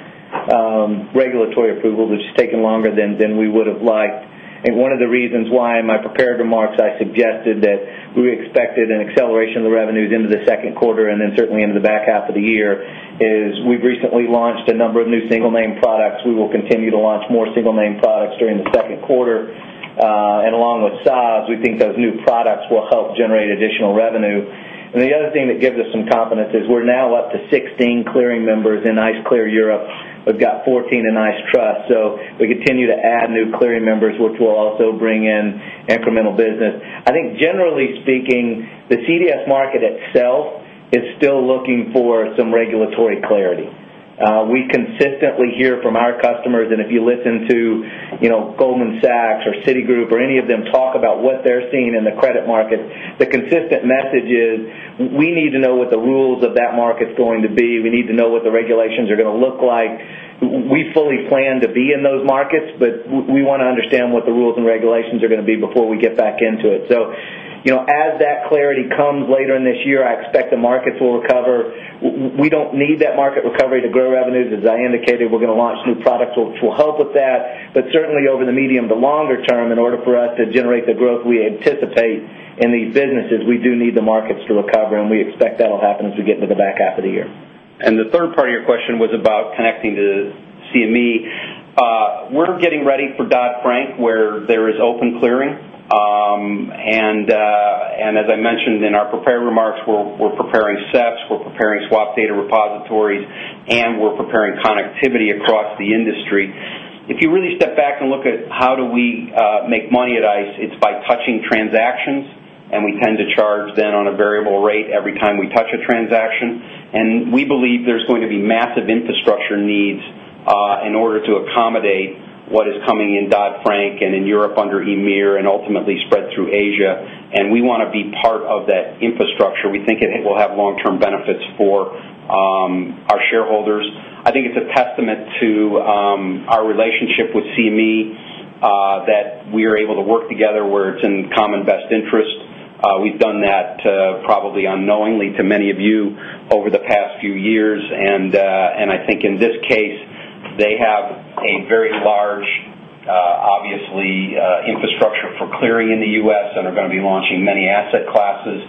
regulatory approvals. It's just taken longer than we would have liked. One of the reasons why, in my prepared remarks, I suggested that we expected an acceleration of the revenues into the second quarter and then certainly into the back half of the year is we've recently launched a number of new single-name products. We will continue to launch more single-name products during the second quarter. Along with SOVs, we think those new products will help generate additional revenue. The other thing that gives us some confidence is we're now up to 16 clearing members in ICE Clear Europe. We've got 14 in ICE Trust. We continue to add new clearing members, which will also bring in incremental business. I think, generally speaking, the CDS market itself is still looking for some regulatory clarity. We consistently hear from our customers, and if you listen to Goldman Sachs or Citigroup or any of them talk about what they're seeing in the credit market, the consistent message is we need to know what the rules of that market's going to be. We need to know what the regulations are going to look like. We fully plan to be in those markets, but we want to understand what the rules and regulations are going to be before we get back into it. As that clarity comes later in this year, I expect the markets will recover. We don't need that market recovery to grow revenues. As I indicated, we're going to launch new products which will help with that. Certainly, over the medium to longer term, in order for us to generate the growth we anticipate in these businesses, we do need the markets to recover, and we expect that'll happen as we get into the back half of the year. The third part of your question was about connecting to CME. We are getting ready for Dodd-Frank where there is open clearing. As I mentioned in our prepared remarks, we are preparing SEFs, we are preparing swap data repositories, and we are preparing connectivity across the industry. If you really step back and look at how we make money at ICE, it's by touching transactions, and we tend to charge then on a variable rate every time we touch a transaction. We believe there are going to be massive infrastructure needs in order to accommodate what is coming in Dodd-Frank and in Europe under EMIR and ultimately spread through Asia. We want to be part of that infrastructure. We think it will have long-term benefits for our shareholders. I think it's a testament to our relationship with CME that we are able to work together where it's in common best interest. We have done that probably unknowingly to many of you over the past few years. I think in this case, they have a very large, obviously, infrastructure for clearing in the U.S. and are going to be launching many asset classes.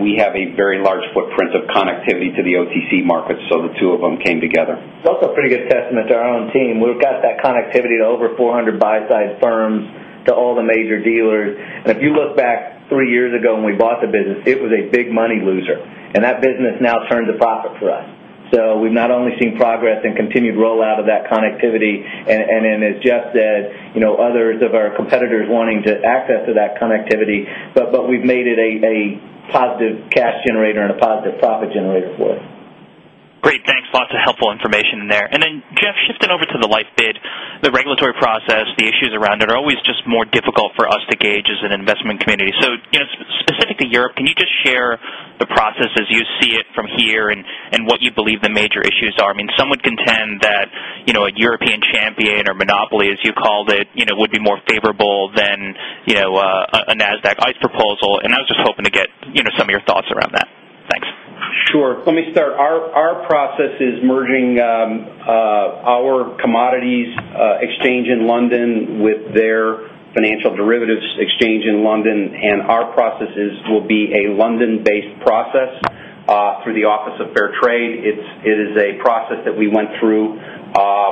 We have a very large footprint of connectivity to the OTC markets, so the two of them came together. It's also a pretty good testament to our own team. We've got that connectivity to over 400 buy-side firms, to all the major dealers. If you look back three years ago when we bought the business, it was a big money loser. That business now turns a profit for us. We've not only seen progress and continued rollout of that connectivity, and as Jeff said, you know, others of our competitors wanting access to that connectivity, but we've made it a positive cash generator and a positive profit generator for us. Great, thanks. Lots of helpful information in there. Jeff, shifting over to the Liffe bid, the regulatory process, the issues around it are always just more difficult for us to gauge as an investment community. Specific to Europe, can you just share the process as you see it from here and what you believe the major issues are? Some would contend that a European champion or monopoly, as you called it, would be more favorable than a Nasdaq-ICE proposal. I was just hoping to get some of your thoughts around that. Thanks. Sure. Let me start. Our process is merging our commodities exchange in London with their financial derivatives exchange in London, and our processes will be a London-based process through the Office of Fair Trade. It is a process that we went through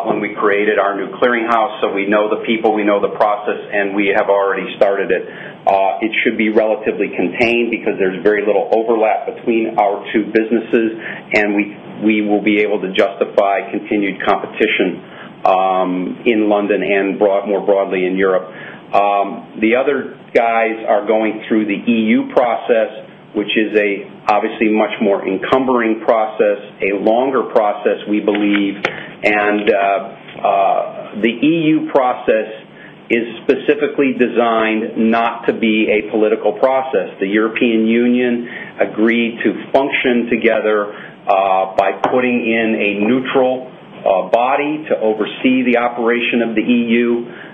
when we created our new clearinghouse. We know the people, we know the process, and we have already started it. It should be relatively contained because there's very little overlap between our two businesses, and we will be able to justify continued competition in London and more broadly in Europe. The other guys are going through the EU process, which is obviously a much more encumbering process, a longer process, we believe. The EU process is specifically designed not to be a political process. The European Union agreed to function together by putting in a neutral body to oversee the operation of the EU.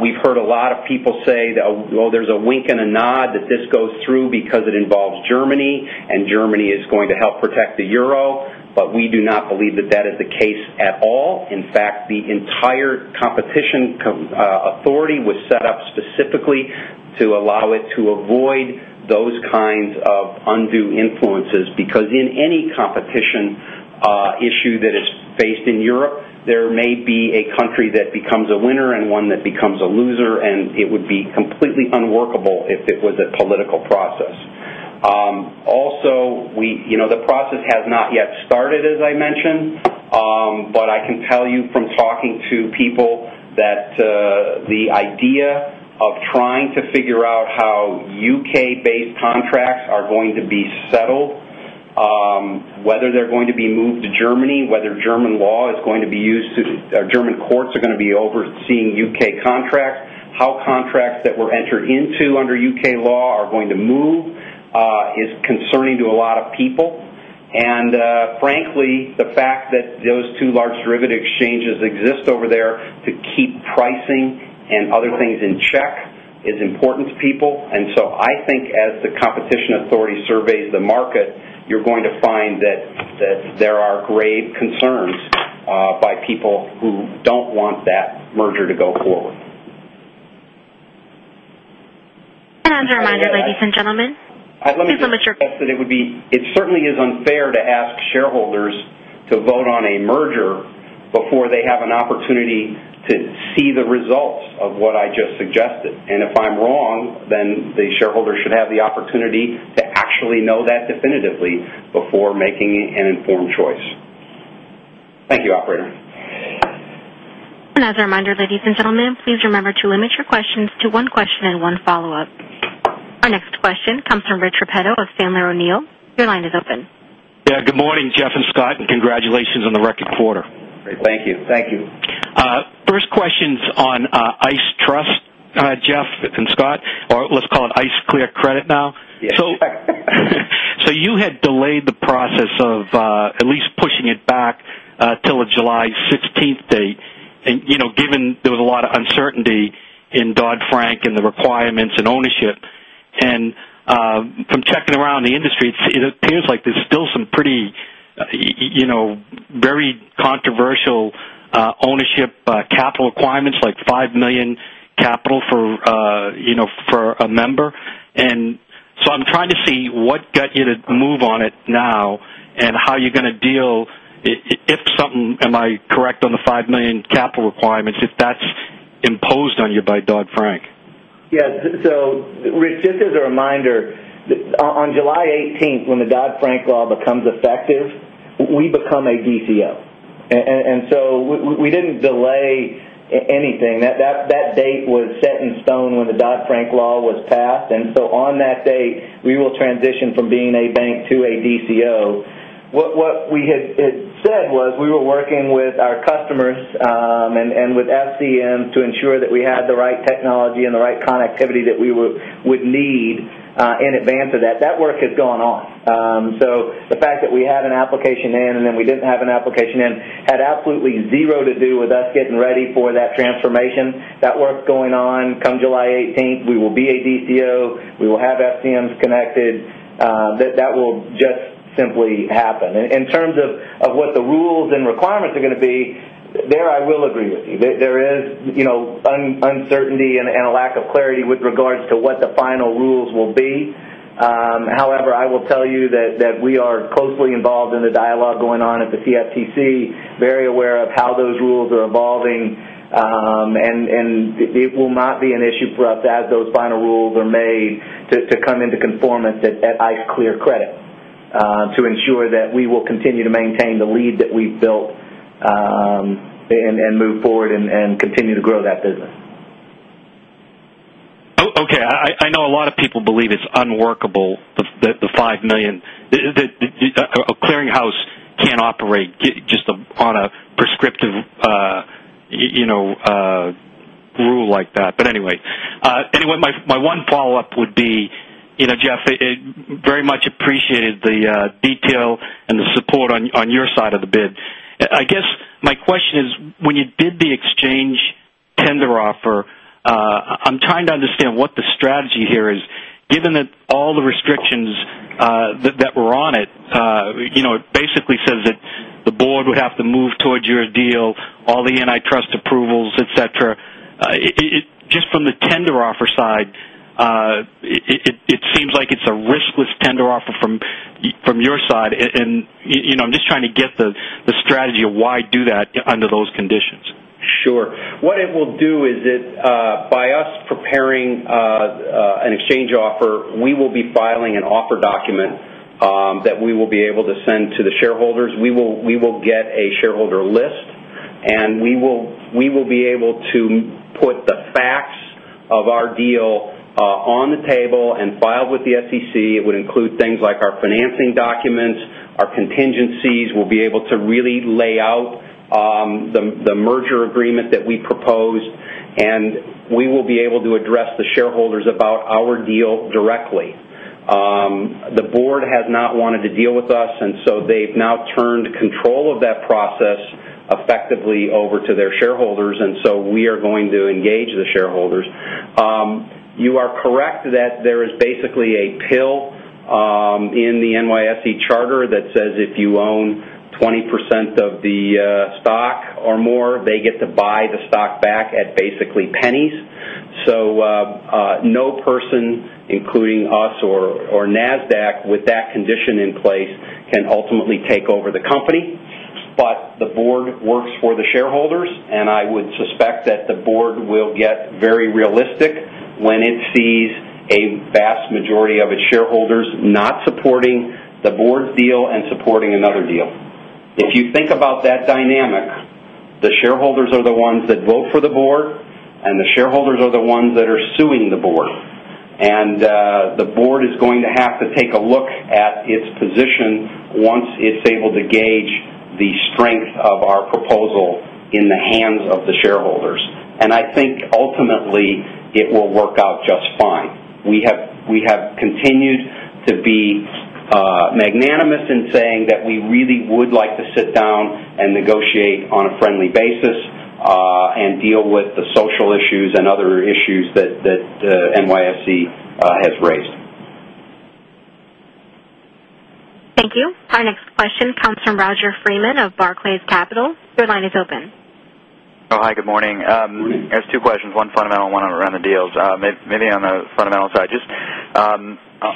We've heard a lot of people say that, oh, there's a wink and a nod that this goes through because it involves Germany, and Germany is going to help protect the euro. We do not believe that that is the case at all. In fact, the entire competition authority was set up specifically to allow it to avoid those kinds of undue influences. Because in any competition issue that is faced in Europe, there may be a country that becomes a winner and one that becomes a loser, and it would be completely unworkable if it was a political process. Also, the process has not yet started, as I mentioned, but I can tell you from talking to people that the idea of trying to figure out how U.K.-based contracts are going to be settled, whether they're going to be moved to Germany, whether German law is going to be used to, or German courts are going to be overseeing U.K. contracts, how contracts that were entered into under U.K. law are going to move, is concerning to a lot of people. Frankly, the fact that those two large derivative exchanges exist over there to keep pricing and other things in check is important to people. I think as the competition authority surveys the market, you're going to find that there are grave concerns by people who don't want that merger to go forward. As a reminder, ladies and gentlemen, please limit your questions. It certainly is unfair to ask shareholders to vote on a merger before they have an opportunity to see the results of what I just suggested. If I'm wrong, then the shareholders should have the opportunity to actually know that definitively before making an informed choice. Thank you, operator. As a reminder, ladies and gentlemen, please remember to limit your questions to one question and one follow-up. Our next question comes from Rich Repetto of Sandler O'Neal. Your line is open. Yeah, good morning, Jeff and Scott, and congratulations on the record quarter. Great, thank you. Thank you. First question's on ICE Trust, Jeff, and Scott, or let's call it ICE Clear Credit now. Yes. You had delayed the process of at least pushing it back till the July 16th date. Given there was a lot of uncertainty in Dodd-Frank and the requirements and ownership, and from checking around the industry, it appears like there's still some pretty, you know, very controversial ownership capital requirements, like $5 million capital for, you know, for a member. I'm trying to see what got you to move on it now and how you're going to deal if something, am I correct on the $5 million capital requirements, if that's imposed on you by Dodd-Frank? Yeah, so Rich, just as a reminder, on July 18th, when the Dodd-Frank law becomes effective, we become a DCO. We didn't delay anything. That date was set in stone when the Dodd-Frank law was passed. On that date, we will transition from being a bank to a DCO. What we had said was we were working with our customers and with FCM to ensure that we had the right technology and the right connectivity that we would need in advance of that. That work had gone on. The fact that we had an application in and then we didn't have an application in had absolutely zero to do with us getting ready for that transformation. That work going on, come July 18th, we will be a DCO. We will have FCMs connected. That will just simply happen. In terms of what the rules and requirements are going to be, there I will agree with you. There is, you know, uncertainty and a lack of clarity with regards to what the final rules will be. However, I will tell you that we are closely involved in the dialogue going on at the CFTC, very aware of how those rules are evolving. It will not be an issue for us as those final rules are made to come into conformance at ICE Clear Credit to ensure that we will continue to maintain the lead that we've built and move forward and continue to grow that business. Oh, okay. I know a lot of people believe it's unworkable, the $5 million. A clearinghouse can't operate just on a prescriptive, you know, rule like that. Anyway, my one follow-up would be, you know, Jeff, very much appreciated the detail and the support on your side of the bid. I guess my question is, when you did the exchange tender offer, I'm trying to understand what the strategy here is, given that all the restrictions that were on it, you know, it basically says that the board would have to move towards your deal, all the antitrust approvals, etc. Just from the tender offer side, it seems like it's a riskless tender offer from your side. You know, I'm just trying to get the strategy of why do that under those conditions. Sure. What it will do is that by us preparing an exchange offer, we will be filing an offer document that we will be able to send to the shareholders. We will get a shareholder list, and we will be able to put the facts of our deal on the table and file with the SEC. It would include things like our financing documents, our contingencies. We'll be able to really lay out the merger agreement that we propose, and we will be able to address the shareholders about our deal directly. The board has not wanted to deal with us, so they've now turned control of that process effectively over to their shareholders. We are going to engage the shareholders. You are correct that there is basically a pill in the NYSE charter that says if you own 20% of the stock or more, they get to buy the stock back at basically pennies. No person, including us or Nasdaq, with that condition in place can ultimately take over the company. The board works for the shareholders, and I would suspect that the board will get very realistic when it sees a vast majority of its shareholders not supporting the board's deal and supporting another deal. If you think about that dynamic, the shareholders are the ones that vote for the board, and the shareholders are the ones that are suing the board. The board is going to have to take a look at its position once it's able to gauge the strength of our proposal in the hands of the shareholders. I think ultimately it will work out just fine. We have continued to be magnanimous in saying that we really would like to sit down and negotiate on a friendly basis and deal with the social issues and other issues that NYSE has raised. Thank you. Our next question comes from Roger Freeman of Barclays Capital. Your line is open. Oh, hi, good morning. I have two questions, one fundamental and one around the deals. Maybe on the fundamental side, just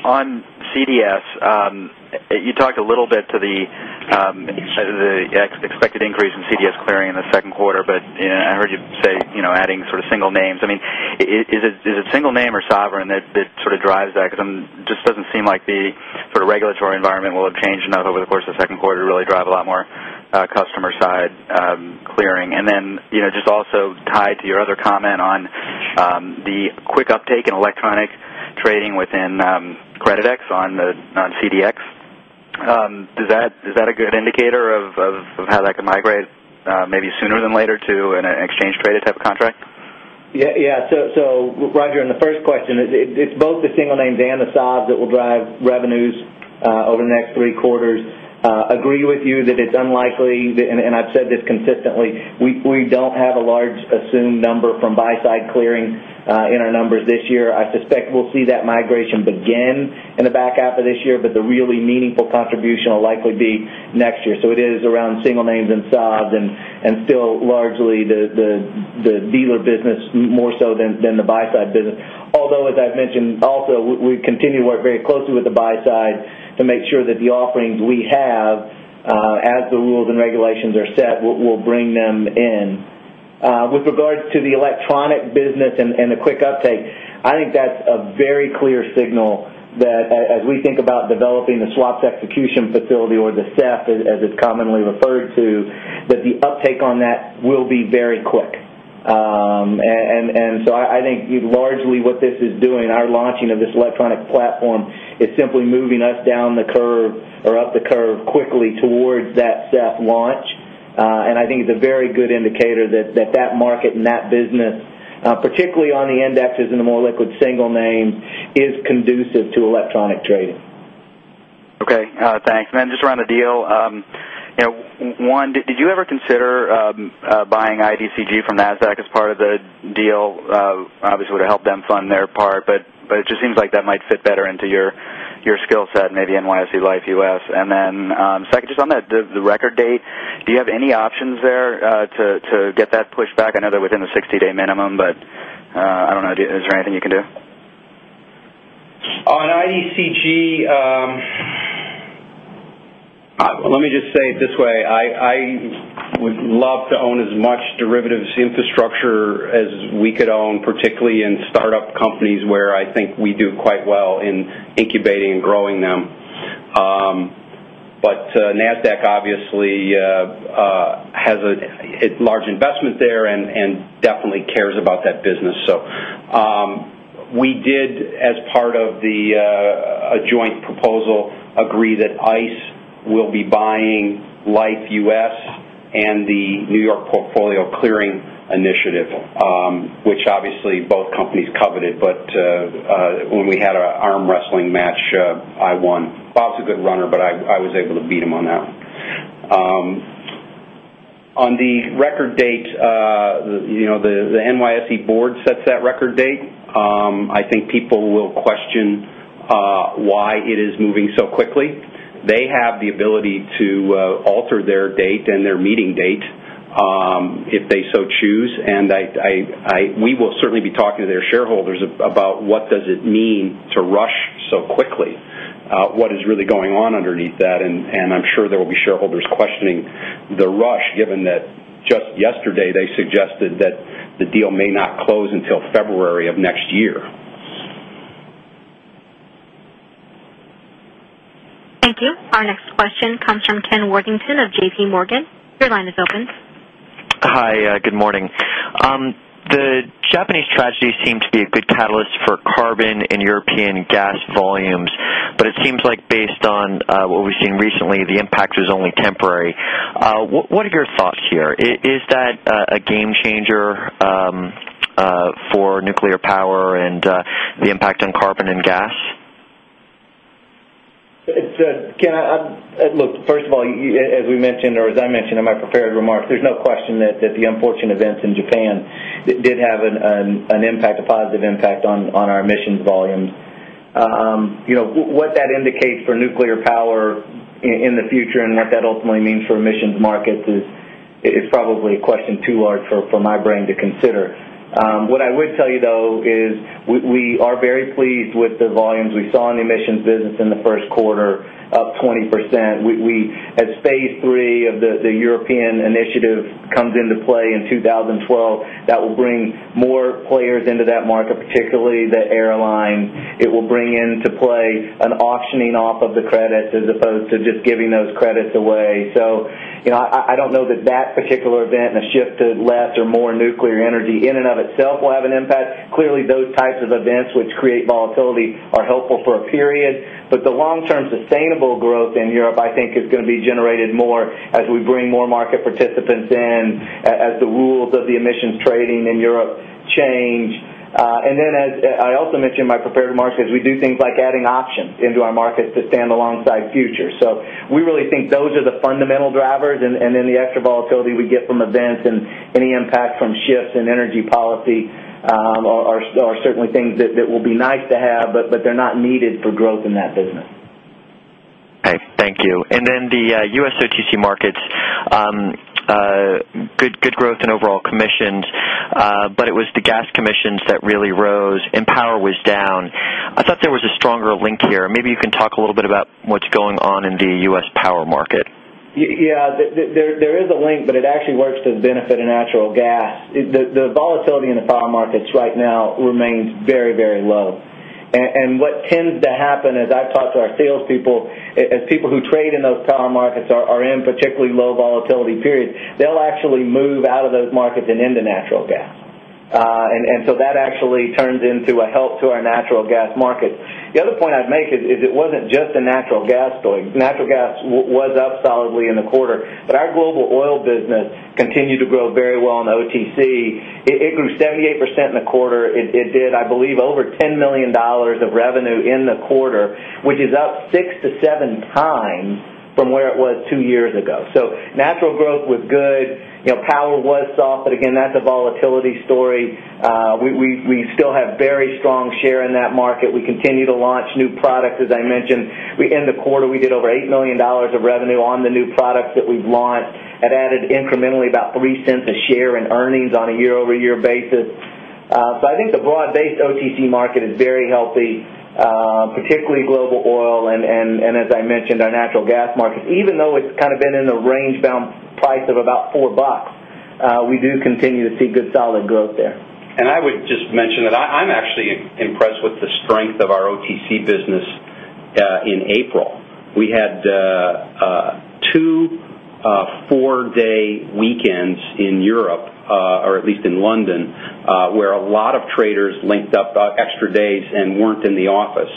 on CDS, you talked a little bit to the expected increase in CDS clearing in the second quarter, but I heard you say, you know, adding sort of single names. I mean, is it single name or sovereign that sort of drives that? Because it just doesn't seem like the sort of regulatory environment will have changed enough over the course of the second quarter to really drive a lot more customer side clearing. Also, tied to your other comment on the quick uptake in electronic trading within Creditex on CDX, is that a good indicator of how that could migrate maybe sooner than later to an exchange traded type of contract? Yeah, yeah. Roger, in the first question, it's both the single names and the SOVs that will drive revenues over the next three quarters. I agree with you that it's unlikely, and I've said this consistently, we don't have a large assumed number from buy-side clearing in our numbers this year. I suspect we'll see that migration begin in the back half of this year, but the really meaningful contribution will likely be next year. It is around single names and SOVs and still largely the dealer business more so than the buy-side business. Although, as I've mentioned also, we continue to work very closely with the buy-side to make sure that the offerings we have, as the rules and regulations are set, will bring them in. With regard to the electronic business and the quick uptake, I think that's a very clear signal that as we think about developing the Swaps Execution Facility or the SEF, as it's commonly referred to, the uptake on that will be very quick. I think largely what this is doing, our launching of this electronic platform is simply moving us down the curve or up the curve quickly towards that SEF launch. I think it's a very good indicator that that market and that business, particularly on the indexes and the more liquid single names, is conducive to electronic trading. Okay, thanks. Just around the deal, one, did you ever consider buying IDCG from Nasdaq as part of the deal? Obviously, it would have helped them fund their part, but it just seems like that might fit better into your skill set and maybe NYSE Liffe U.S. Second, just on the record date, do you have any options there to get that pushed back? I know they're within the 60-day minimum, but I don't know. Is there anything you can do? On IDCG, let me just say it this way. I would love to own as much derivatives infrastructure as we could own, particularly in startup companies where I think we do quite well in incubating and growing them. Nasdaq obviously has large investments there and definitely cares about that business. We did, as part of the joint proposal, agree that ICE will be buying Liffe U.S. and the New York Portfolio Clearing initiative, which obviously both companies coveted. When we had an arm wrestling match, I won. Bob's a good runner, but I was able to beat him on that one. On the record date, the NYSE board sets that record date. I think people will question why it is moving so quickly. They have the ability to alter their date and their meeting date if they so choose. We will certainly be talking to their shareholders about what does it mean to rush so quickly. What is really going on underneath that? I'm sure there will be shareholders questioning the rush, given that just yesterday they suggested that the deal may not close until February of next year. Thank you. Our next question comes from Ken Worthington of JPMorgan. Your line is open. Hi, good morning. The Japanese tragedy seems to be a good catalyst for carbon and European gas volumes, but it seems like based on what we've seen recently, the impact was only temporary. What are your thoughts here? Is that a game changer for nuclear power and the impact on carbon and gas? Look, first of all, as we mentioned, or as I mentioned in my prepared remark, there's no question that the unfortunate events in Japan did have an impact, a positive impact on our emissions volumes. You know, what that indicates for nuclear power in the future and what that ultimately means for emissions markets is probably a question too large for my brain to consider. What I would tell you, though, is we are very pleased with the volumes we saw in the emissions business in the first quarter, up 20%. As phase III of the European initiative comes into play in 2012, that will bring more players into that market, particularly the airline. It will bring into play an auctioning off of the credits as opposed to just giving those credits away. I don't know that that particular event and a shift to less or more nuclear energy in and of itself will have an impact. Clearly, those types of events which create volatility are helpful for a period. The long-term sustainable growth in Europe, I think, is going to be generated more as we bring more market participants in, as the rules of the emissions trading in Europe change. As I also mentioned in my prepared remark, we do things like adding options into our markets to stand alongside futures. We really think those are the fundamental drivers, and the extra volatility we get from events and any impact from shifts in energy policy are certainly things that will be nice to have, but they're not needed for growth in that business. Thank you. In the U.S. OTC markets, good growth in overall commissions, but it was the gas commissions that really rose and power was down. I thought there was a stronger link here. Maybe you can talk a little bit about what's going on in the U.S. power market. Yeah, there is a link, but it actually works to the benefit of natural gas. The volatility in the power markets right now remains very, very low. What tends to happen, as I've talked to our salespeople, is people who trade in those power markets are in particularly low-volatility periods. They'll actually move out of those markets and into natural gas, and that actually turns into a help to our natural gas market. The other point I'd make is it wasn't just the natural gas story. Natural gas was up solidly in the quarter, but our global oil business continued to grow very well in the OTC. It grew 78% in the quarter. It did, I believe, over $10 million of revenue in the quarter, which is up 6x-7x from where it was two years ago. Natural growth was good. You know, power was soft, that's a volatility story. We still have very strong share in that market. We continue to launch new products, as I mentioned. In the quarter, we did over $8 million of revenue on the new products that we've launched. It added incrementally about $0.03 a share in earnings on a year-over-year basis. I think the broad-based OTC market is very healthy, particularly global oil and, as I mentioned, our natural gas markets. Even though it's kind of been in a range-bound price of about $4, we do continue to see good solid growth there. I would just mention that I'm actually impressed with the strength of our OTC business in April. We had two four-day weekends in Europe, or at least in London, where a lot of traders linked up extra days and weren't in the office.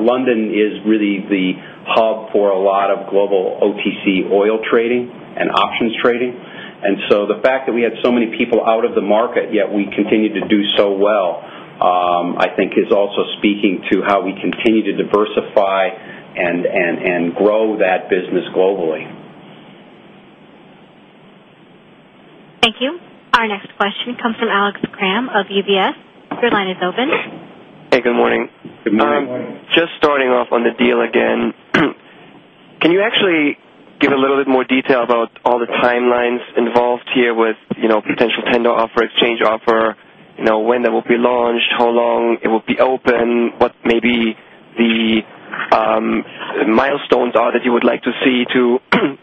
London is really the hub for a lot of global OTC oil trading and options trading. The fact that we had so many people out of the market, yet we continued to do so well, I think is also speaking to how we continue to diversify and grow that business globally. Thank you. Our next question comes from Alex Kramm of UBS. Your line is open. Hey, good morning. Good morning. Just starting off on the deal again, can you actually give a little bit more detail about all the timelines involved here with, you know, potential tender offer, exchange offer, you know, when that will be launched, how long it will be open, what maybe the milestones are that you would like to see to,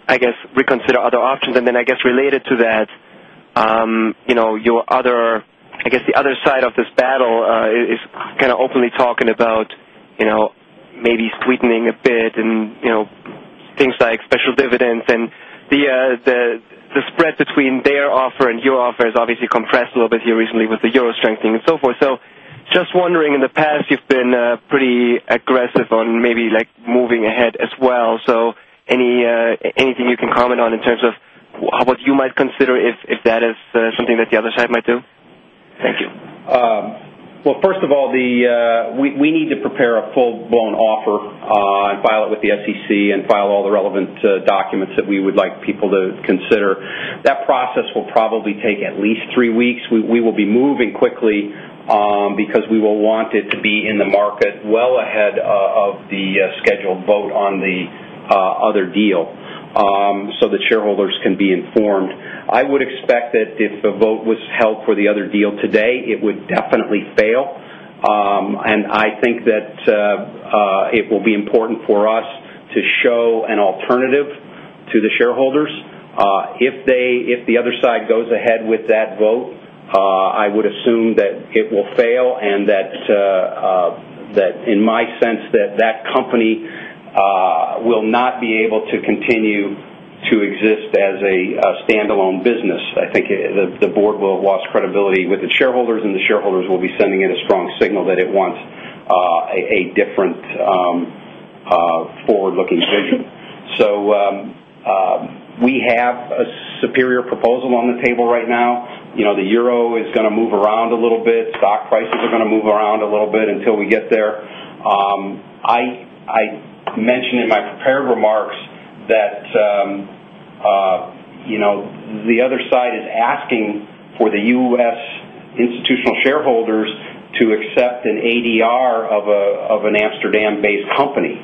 I guess, reconsider other options. I guess related to that, your other, I guess, the other side of this battle is kind of openly talking about maybe sweetening a bit and things like special dividends. The spread between their offer and your offer is obviously compressed a little bit here recently with the euro strengthening and so forth. Just wondering, in the past, you've been pretty aggressive on maybe like moving ahead as well. Anything you can comment on in terms of what you might consider if that is something that the other side might do? Thank you. First of all, we need to prepare a full-blown offer and file it with the SEC and file all the relevant documents that we would like people to consider. That process will probably take at least three weeks. We will be moving quickly because we will want it to be in the market well ahead of the scheduled vote on the other deal so that shareholders can be informed. I would expect that if the vote was held for the other deal today, it would definitely fail. I think that it will be important for us to show an alternative to the shareholders. If the other side goes ahead with that vote, I would assume that it will fail and that, in my sense, that company will not be able to continue to exist as a standalone business. I think the board will have lost credibility with its shareholders, and the shareholders will be sending it a strong signal that it wants a different forward-looking vision. We have a superior proposal on the table right now. You know, the euro is going to move around a little bit. Stock prices are going to move around a little bit until we get there. I mentioned in my prepared remarks that the other side is asking for the U.S. institutional shareholders to accept an ADR of an Amsterdam-based company.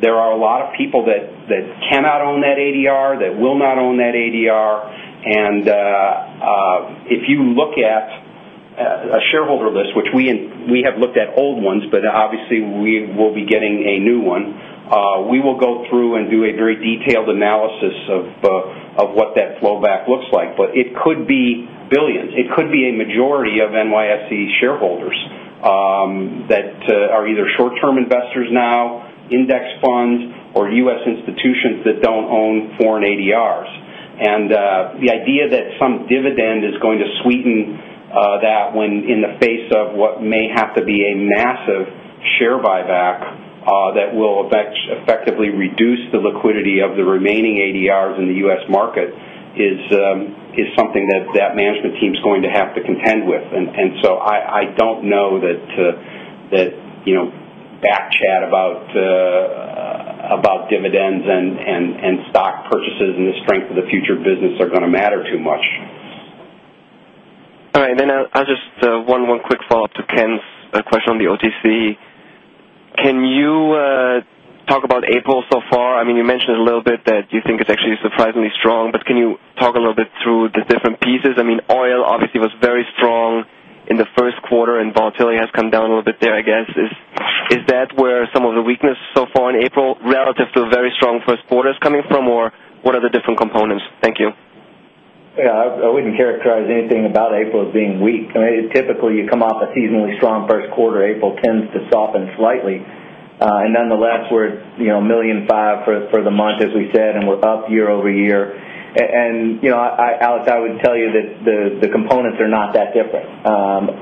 There are a lot of people that cannot own that ADR, that will not own that ADR. If you look at a shareholder list, which we have looked at old ones, but obviously we will be getting a new one, we will go through and do a very detailed analysis of what that flowback looks like. It could be billions. It could be a majority of NYSE shareholders that are either short-term investors now, index funds, or U.S. institutions that don't own foreign ADRs. The idea that some dividend is going to sweeten that when in the face of what may have to be a massive share buyback that will effectively reduce the liquidity of the remaining ADRs in the U.S. market is something that that management team's going to have to contend with. I don't know that back chat about dividends and stock purchases and the strength of the future of business are going to matter too much. All right, and then I'll just one quick follow-up to Ken's question on the OTC. Can you talk about April so far? I mean, you mentioned a little bit that you think it's actually surprisingly strong, but can you talk a little bit through the different pieces? I mean, oil obviously was very strong in the first quarter, and volatility has come down a little bit there, I guess. Is that where some of the weakness so far in April relative to very strong first quarters coming from, or what are the different components? Thank you. Yeah, I wouldn't characterize anything about April as being weak. Typically, you come off a seasonally strong first quarter. April tends to soften slightly. Nonetheless, we're at, you know, $1.5 million for the month, as we said, and we're up year-over-year. You know, Alex, I would tell you that the components are not that different.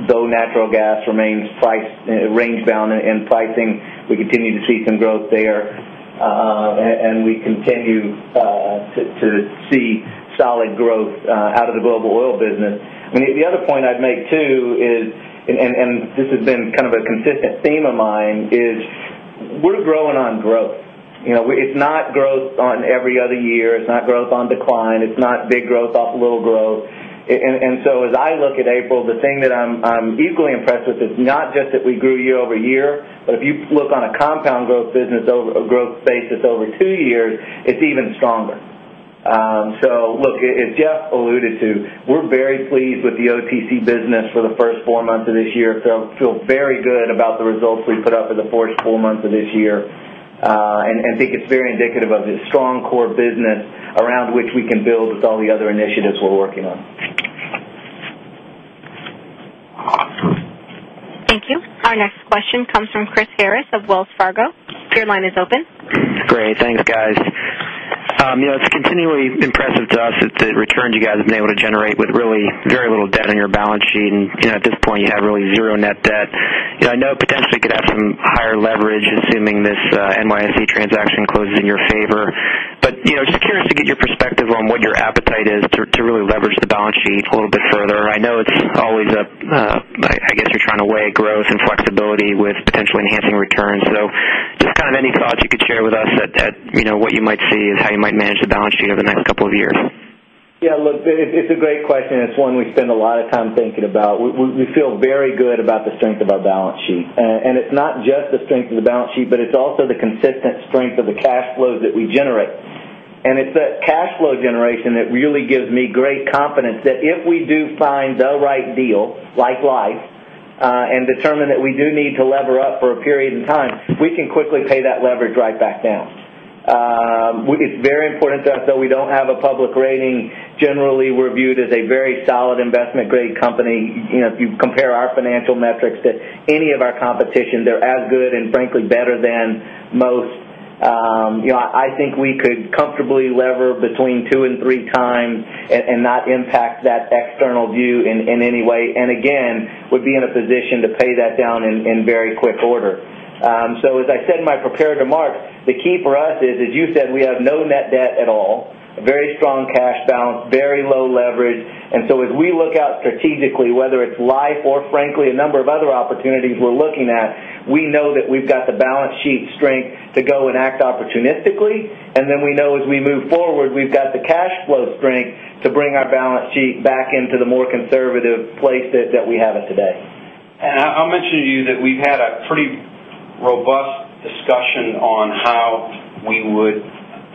Though natural gas remains range-bound in pricing, we continue to see some growth there. We continue to see solid growth out of the global oil business. The other point I'd make too is, and this has been kind of a consistent theme of mine, we're growing on growth. It's not growth on every other year. It's not growth on decline. It's not big growth off little growth. As I look at April, the thing that I'm equally impressed with, it's not just that we grew year-over-year, but if you look on a compound growth business over a growth basis over two years, it's even stronger. As Jeff alluded to, we're very pleased with the OTC business for the first four months of this year. I feel very good about the results we put up in the first four months of this year and think it's very indicative of its strong core business around which we can build with all the other initiatives we're working on. Thank you. Our next question comes from Chris Harris of Wells Fargo. Your line is open. Great, thanks, guys. It's continually impressive to us that the returns you guys have been able to generate with really very little debt on your balance sheet. At this point, you have really zero net debt. I know it potentially could have some higher leverage assuming this NYSE transaction closes in your favor. I'm just curious to get your perspective on what your appetite is to really leverage the balance sheet a little bit further. I know it's always up, I guess you're trying to weigh growth and flexibility with potentially enhancing returns. Just any thoughts you could share with us at what you might see and how you might manage the balance sheet over the next couple of years. Yeah, Look, it's a great question. It's one we spend a lot of time thinking about. We feel very good about the strength of our balance sheet. It's not just the strength of the balance sheet, but it's also the consistent strength of the cash flows that we generate. It's that cash flow generation that really gives me great confidence that if we do find the right deal, like Liffe, and determine that we do need to lever up for a period in time, we can quickly pay that leverage right back down. It's very important to us, though, we don't have a public rating. Generally, we're viewed as a very solid investment-grade company. If you compare our financial metrics to any of our competition, they're as good and frankly better than most. I think we could comfortably lever between 2x and 3x and not impact that external view in any way. We'd be in a position to pay that down in very quick order. As I said in my prepared remarks, the key for us is, as you said, we have no net debt at all, a very strong cash balance, very low leverage. As we look out strategically, whether it's Liffe or frankly a number of other opportunities we're looking at, we know that we've got the balance sheet strength to go and act opportunistically. We know, as we move forward, we've got the cash flow strength to bring our balance sheet back into the more conservative place that we have it today. I'll mention to you that we've had a pretty robust discussion on how we would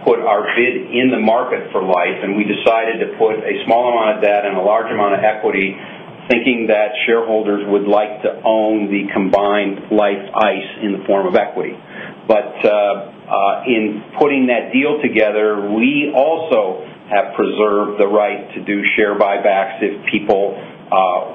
put our bid in the market for Liffe. We decided to put a small amount of debt and a large amount of equity, thinking that shareholders would like to own the combined Liffe ICE in the form of equity. In putting that deal together, we also have preserved the right to do share buybacks if people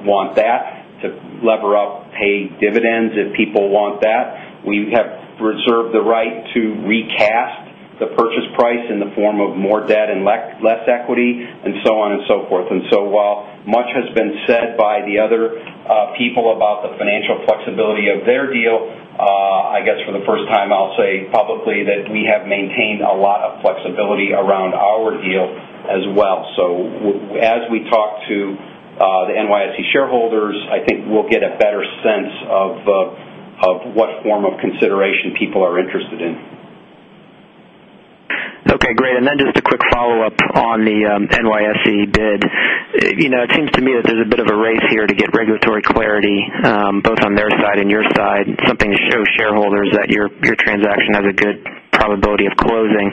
want that, to lever up, paid dividends if people want that. We have preserved the right to recast the purchase price in the form of more debt and less equity, and so on and so forth. While much has been said by the other people about the financial flexibility of their deal, I guess for the first time, I'll say publicly that we have maintained a lot of flexibility around our deal as well. As we talk to the NYSE shareholders, I think we'll get a better sense of what form of consideration people are interested in. Okay, great. Just a quick follow-up on the NYSE bid. It seems to me that there's a bit of a race here to get regulatory clarity, both on their side and your side, something to show shareholders that your transaction has a good probability of closing.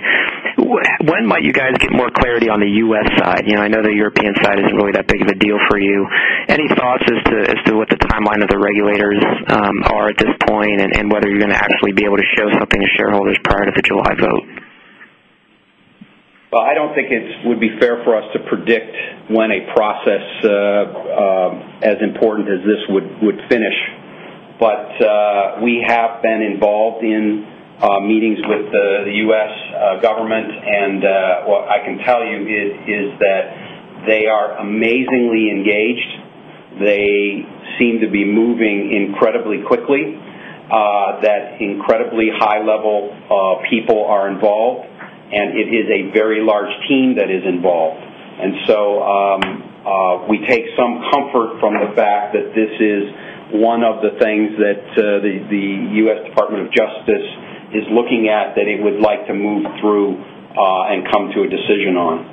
When might you guys get more clarity on the U.S. side? I know the European side isn't really that big of a deal for you. Any thoughts as to what the timeline of the regulators are at this point and whether you're going to actually be able to show something to shareholders prior to the July vote? I don't think it would be fair for us to predict when a process as important as this would finish. We have been involved in meetings with the U.S. government, and what I can tell you is that they are amazingly engaged. They seem to be moving incredibly quickly. Incredibly high-level people are involved, and it is a very large team that is involved. We take some comfort from the fact that this is one of the things that the U.S. Department of Justice is looking at that it would like to move through and come to a decision on.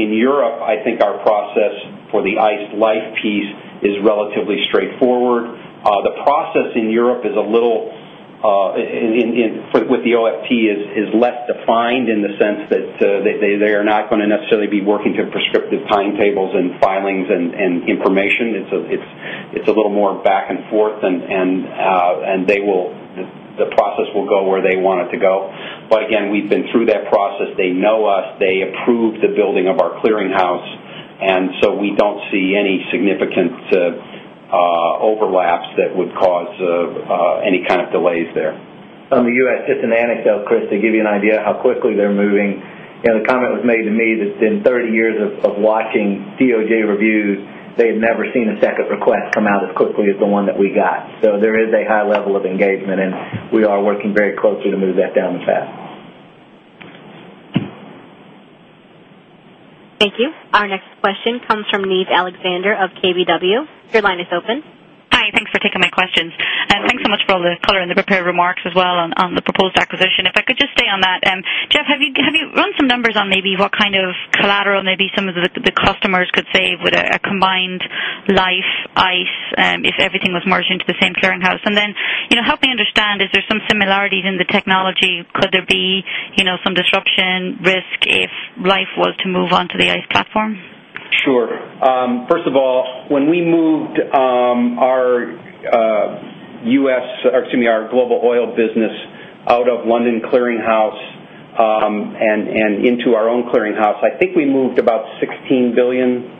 In Europe, I think our process for the ICE Liffe piece is relatively straightforward. The process in Europe with the OFT is less defined in the sense that they are not going to necessarily be working to prescriptive timetables and filings and information. It's a little more back and forth, and the process will go where they want it to go. We've been through that process. They know us. They approved the building of our clearinghouse, and we don't see any significant overlaps that would cause any kind of delays there. On the U.S., it's a nanny sale, Chris, to give you an idea of how quickly they're moving. The comment was made to me that in 30 years of watching DOJ reviews, they had never seen a second request come out as quickly as the one that we got. There is a high level of engagement, and we are working very closely to move that down the track. Thank you. Our next question comes from Niamh Alexander of KBW. Your line is open. Hi. Thanks for taking my questions. Thanks so much for all the color and the prepared remarks as well on the proposed acquisition. If I could just stay on that. Jeff, have you run some numbers on maybe what kind of collateral maybe some of the customers could save with a combined Liffe ICE if everything was merged into the same clearinghouse? You know, help me understand, is there some similarities in the technology? Could there be some disruption risk if Liffe was to move onto the ICE platform? Sure. First of all, when we moved our U.S., or excuse me, our global oil business out of London Clearing House and into our own clearinghouse, I think we moved about $16 billion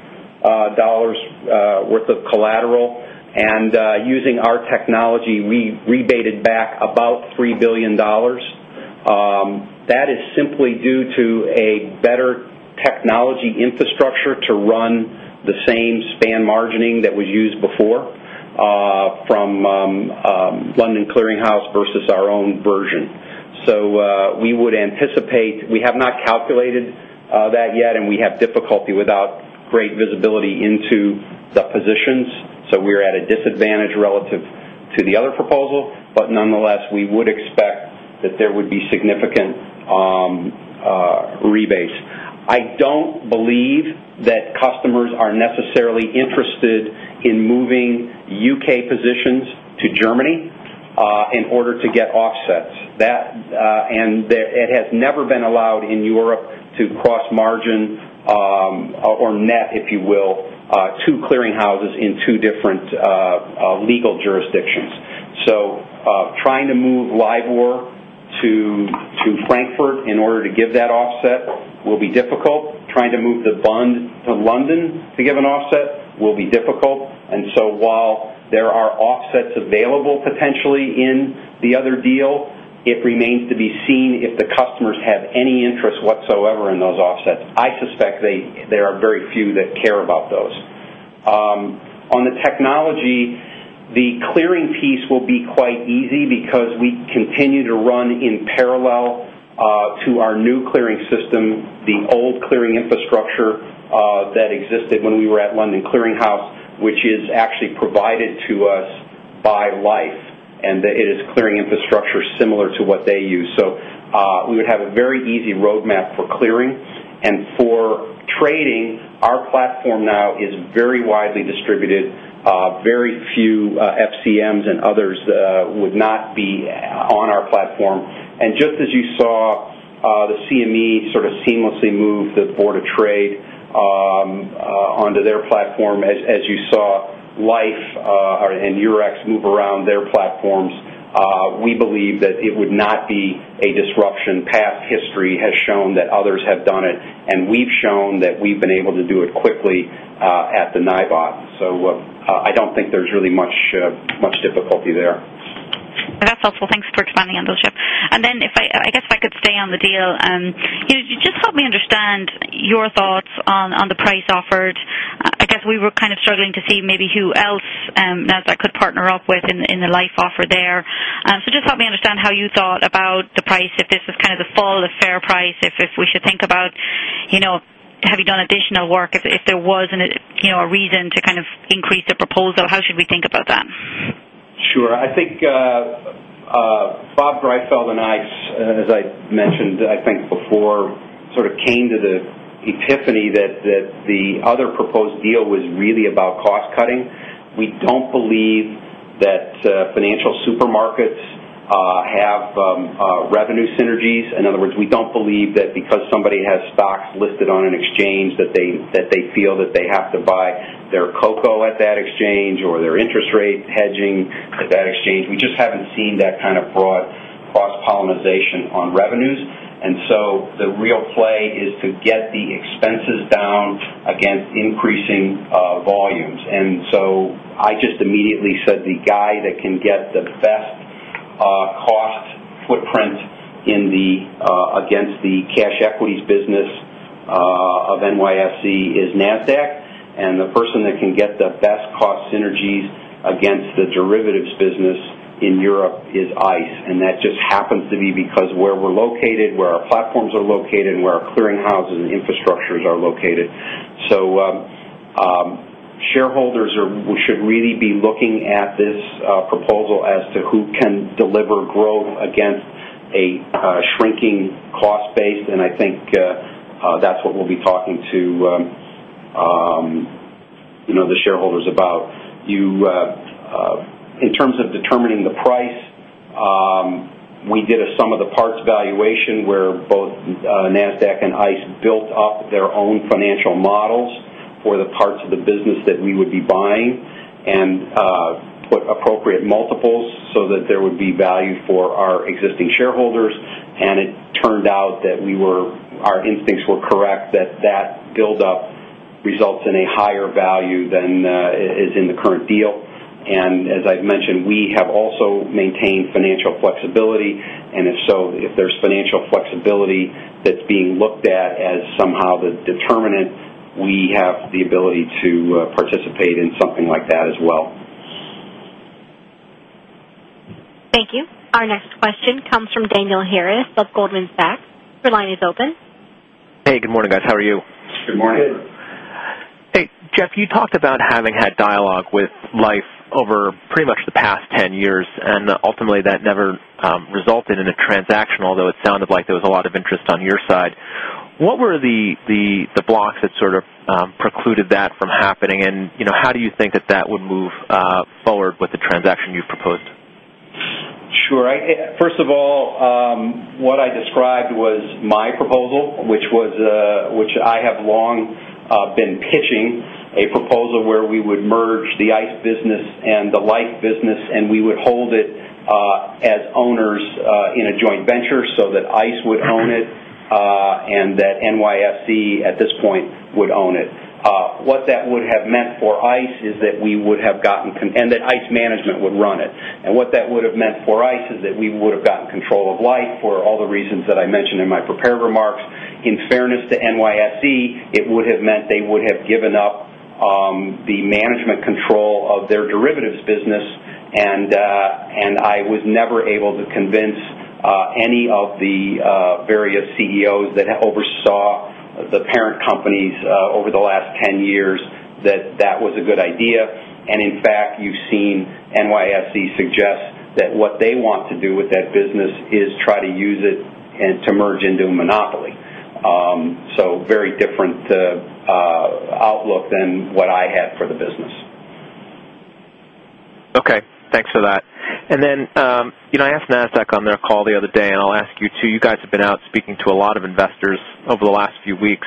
worth of collateral. Using our technology, we rebated back about $3 billion. That is simply due to a better technology infrastructure to run the same SPAN margining that was used before from London Clearing House versus our own version. We would anticipate, we have not calculated that yet. We have difficulty without great visibility into the positions. We're at a disadvantage relative to the other proposal. Nonetheless, we would expect that there would be significant rebates. I don't believe that customers are necessarily interested in moving U.K. positions to Germany in order to get offsets. It has never been allowed in Europe to cross margin or net, if you will, two clearinghouses in two different legal jurisdictions. Trying to move LIBOR to Frankfurt in order to give that offset will be difficult. Trying to move the Bund to London to give an offset will be difficult. While there are offsets available potentially in the other deal, it remains to be seen if the customers have any interest whatsoever in those offsets. I suspect there are very few that care about those. On the technology, the clearing piece will be quite easy because we continue to run in parallel to our new clearing system the old clearing infrastructure that existed when we were at London Clearing House, which is actually provided to us by Liffe. It is clearing infrastructure similar to what they use. We would have a very easy roadmap for clearing. For trading, our platform now is very widely distributed. Very few FCMs and others would not be on our platform. Just as you saw the CME sort of seamlessly move the Board of Trade onto their platform, as you saw Liffe and Eurex move around their platforms, we believe that it would not be a disruption. Past history has shown that others have done it. We've shown that we've been able to do it quickly at the NYBOT. I don't think there's really much difficulty there. That's helpful. Thanks for explaining that, Jeff. If I could stay on the deal, just help me understand your thoughts on the price offered. I guess we were kind of struggling to see maybe who else that could partner up with in the Liffe offer there. Just help me understand how you thought about the price, if this is kind of the full or fair price, if we should think about, you know, have you done additional work? If there was a reason to kind of increase the proposal, how should we think about that? Sure. I think Bob Greifeld and I, as I mentioned, I think before, sort of came to the epiphany that the other proposed deal was really about cost cutting. We don't believe that financial supermarkets have revenue synergies. In other words, we don't believe that because somebody has stock listed on an exchange, that they feel that they have to buy their cocoa at that exchange or their interest rate hedging at that exchange. We just haven't seen that kind of broad cross-pollination on revenues. The real play is to get the expenses down against increasing volumes. I just immediately said the guy that can get the best cost footprint against the cash equities business of NYSE is Nasdaq. The person that can get the best cost synergies against the derivatives business in Europe is ICE. That just happens to be because of where we're located, where our platforms are located, and where our clearinghouses and infrastructures are located. Shareholders should really be looking at this proposal as to who can deliver growth against a shrinking cost base. I think that's what we'll be talking to the shareholders about. In terms of determining the price, we did a sum of the parts valuation where both Nasdaq and ICE built up their own financial models for the parts of the business that we would be buying and put appropriate multiples so that there would be value for our existing shareholders. It turned out that our instincts were correct, that that buildup results in a higher value than is in the current deal. As I've mentioned, we have also maintained financial flexibility. If there's financial flexibility that's being looked at as somehow the determinant, we have the ability to participate in something like that as well. Thank you. Our next question comes from Daniel Harris of Goldman Sachs. Your line is open. Hey, good morning, guys. How are you? Good morning. Hey, Jeff, you talked about having had dialogue with Liffe over pretty much the past 10 years. Ultimately, that never resulted in a transaction, although it sounded like there was a lot of interest on your side. What were the blocks that sort of precluded that from happening? How do you think that that would move forward with the transaction you've proposed? Sure. First of all, what I described was my proposal, which I have long been pitching, a proposal where we would merge the ICE business and the Liffe business. We would hold it as owners in a joint venture so that ICE would own it and that NYSE at this point would own it. What that would have meant for ICE is that we would have gotten, and that ICE management would run it. What that would have meant for ICE is that we would have gotten control of Liffe for all the reasons that I mentioned in my prepared remarks. In fairness to NYSE, it would have meant they would have given up the management control of their derivatives business. I was never able to convince any of the various CEOs that oversaw the parent companies over the last 10 years that that was a good idea. In fact, you've seen NYSE suggest that what they want to do with that business is try to use it to merge into a monopoly. Very different outlook than what I had for the business. Okay, thanks for that. I asked Nasdaq on their call the other day. I'll ask you too. You guys have been out speaking to a lot of investors over the last few weeks.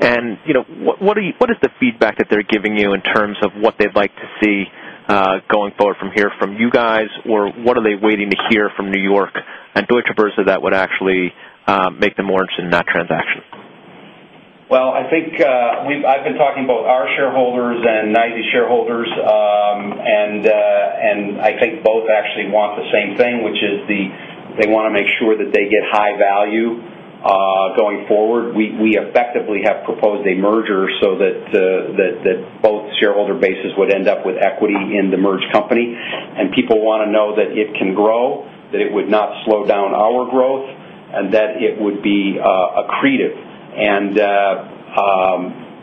What is the feedback that they're giving you in terms of what they'd like to see going forward from here from you guys? What are they waiting to hear from New York and Deutsche Börse that would actually make them more interested in that transaction? I think I've been talking to both our shareholders and NYSE shareholders. I think both actually want the same thing, which is they want to make sure that they get high value going forward. We effectively have proposed a merger so that both shareholder bases would end up with equity in the merged company. People want to know that it can grow, that it would not slow down our growth, and that it would be accretive.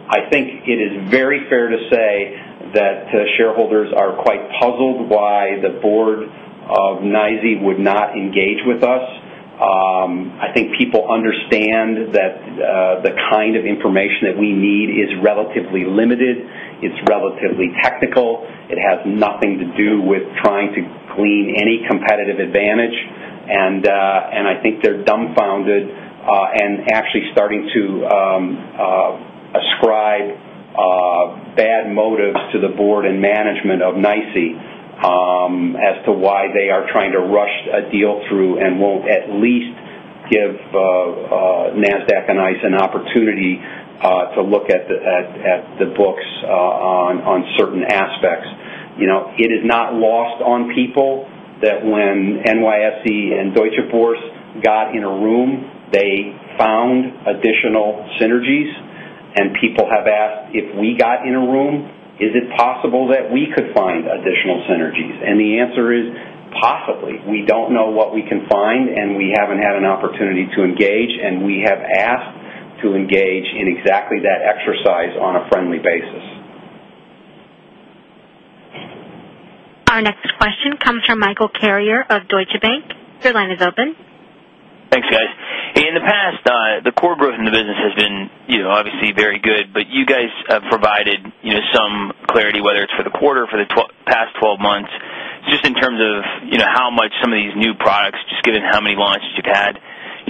I think it is very fair to say that shareholders are quite puzzled why the board of NYSE would not engage with us. I think people understand that the kind of information that we need is relatively limited. It's relatively technical. It has nothing to do with trying to glean any competitive advantage. I think they're dumbfounded and actually starting to ascribe bad motives to the board and management of NYSE as to why they are trying to rush a deal through and won't at least give Nasdaq and ICE an opportunity to look at the books on certain aspects. It is not lost on people that when NYSE and Deutsche Börse got in a room, they found additional synergies. People have asked, if we got in a room, is it possible that we could find additional synergies? The answer is possibly. We don't know what we can find. We haven't had an opportunity to engage. We have asked to engage in exactly that exercise on a friendly basis. Our next question comes from Michael Carrier of Deutsche Bank. Your line is open. Thanks, guys. In the past, the core growth in the business has been obviously very good. You guys have provided some clarity, whether it's for the quarter or for the past 12 months, just in terms of how much some of these new products, just given how many launches you've had,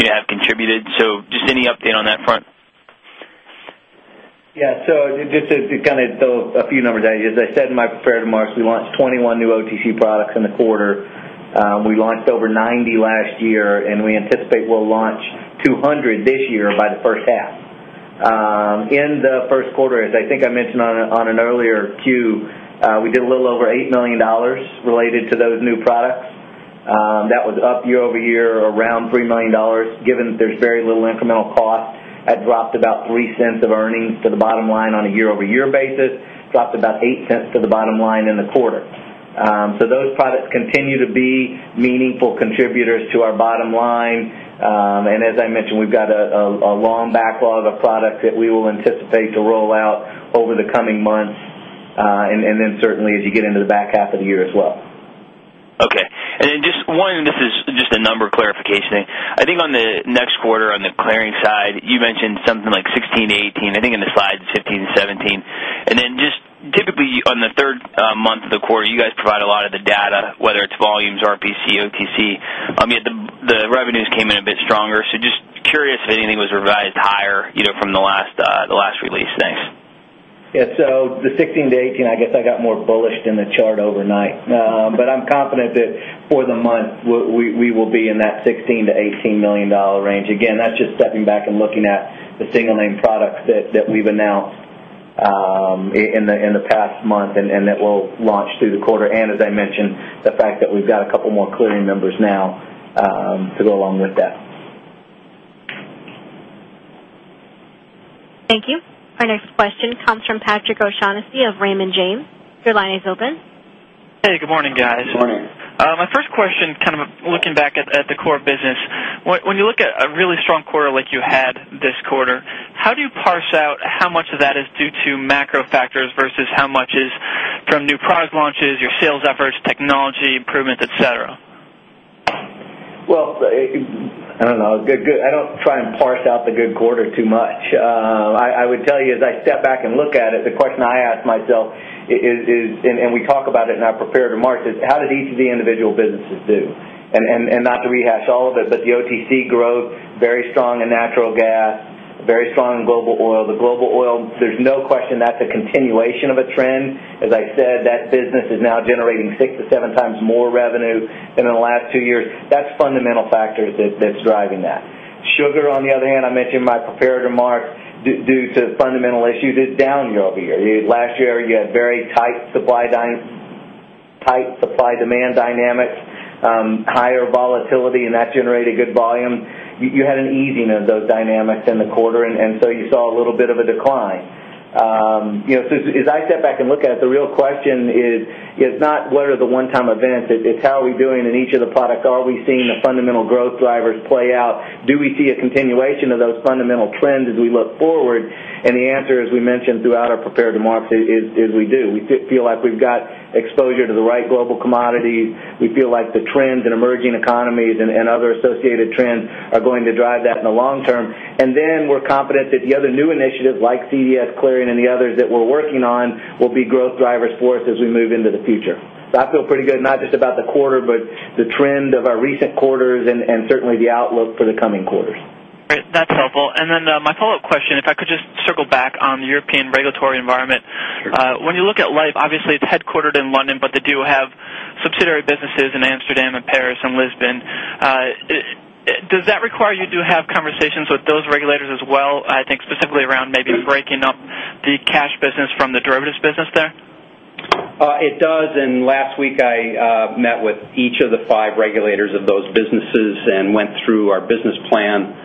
have contributed. Any update on that front? Yeah, just to kind of throw a few numbers at you. As I said in my prepared remarks, we want 21 new OTC products in the quarter. We launched over 90 last year, and we anticipate we'll launch 200 this year by the first half. In the first quarter, as I think I mentioned on an earlier cue, we did a little over $8 million related to those new products. That was up year-over-year around $3 million. Given that there's very little incremental cost, it dropped about $0.03 of earnings to the bottom line on a year-over-year basis, dropped about $0.08 to the bottom line in the quarter. Those products continue to be meaningful contributors to our bottom line. As I mentioned, we've got a long backlog of products that we will anticipate to roll out over the coming months, and certainly as you get into the back half of the year as well. Okay. I just wanted a number clarification. I think on the next quarter on the clearing side, you mentioned something like $16 million, $18 million. I think in the slides, it's $15 million-$17 million. Typically, on the third month of the quarter, you guys provide a lot of the data, whether it's volumes, RPC, OTC. The revenues came in a bit stronger. I'm just curious if anything was revised higher from the last release. Thanks. Yeah, the $16 million-$18 million, I guess I got more bullish than the chart overnight. I'm confident that for the month, we will be in that $16 million-$18 million range. Again, that's just stepping back and looking at the single-name product that we've announced in the past month and that we'll launch through the quarter. As I mentioned, the fact that we've got a couple more clearing members now to go along with that. Thank you. Our next question comes from Patrick O’Shaughnessy of Raymond James. Your line is open. Hey, good morning, guys. Morning. My first question, kind of looking back at the core business, when you look at a really strong quarter like you had this quarter, how do you parse out how much of that is due to macro factors versus how much is from new product launches, your sales efforts, technology improvements, et cetera? I don't try and parse out the good quarter too much. I would tell you, as I step back and look at it, the question I ask myself is, and we talk about it in our prepared remarks, how did each of the individual businesses do? Not to rehash all of it, but the OTC growth, very strong in natural gas, very strong in global oil. The global oil, there's no question that's a continuation of a trend. As I said, that business is now generating 6x-7x more revenue than in the last two years. That's fundamental factors that's driving that. Sugar, on the other hand, I mentioned in my prepared remarks, due to fundamental issues, is down year-over-year. Last year, you had very tight supply-demand dynamics, higher volatility, and that generated good volume. You had an easing of those dynamics in the quarter, and you saw a little bit of a decline. As I step back and look at it, the real question is not what are the one-time events. It's how are we doing in each of the products? Are we seeing the fundamental growth drivers play out? Do we see a continuation of those fundamental trends as we look forward? The answer, as we mentioned throughout our prepared remarks, is we do. We feel like we've got exposure to the right global commodities. We feel like the trends in emerging economies and other associated trends are going to drive that in the long term. We're confident that the other new initiatives like CDS clearing and the others that we're working on will be growth drivers for us as we move into the future. I feel pretty good, not just about the quarter, but the trend of our recent quarters and certainly the outlook for the coming quarters. That's helpful. My follow-up question, if I could just circle back on the European regulatory environment. When you look at Liffe, obviously, it's headquartered in London, but they do have subsidiary businesses in Amsterdam, Paris, and Lisbon. Does that require you to have conversations with those regulators as well? I think specifically around maybe breaking up the cash business from the derivatives business there? It does. Last week, I met with each of the five regulators of those businesses and went through our business plan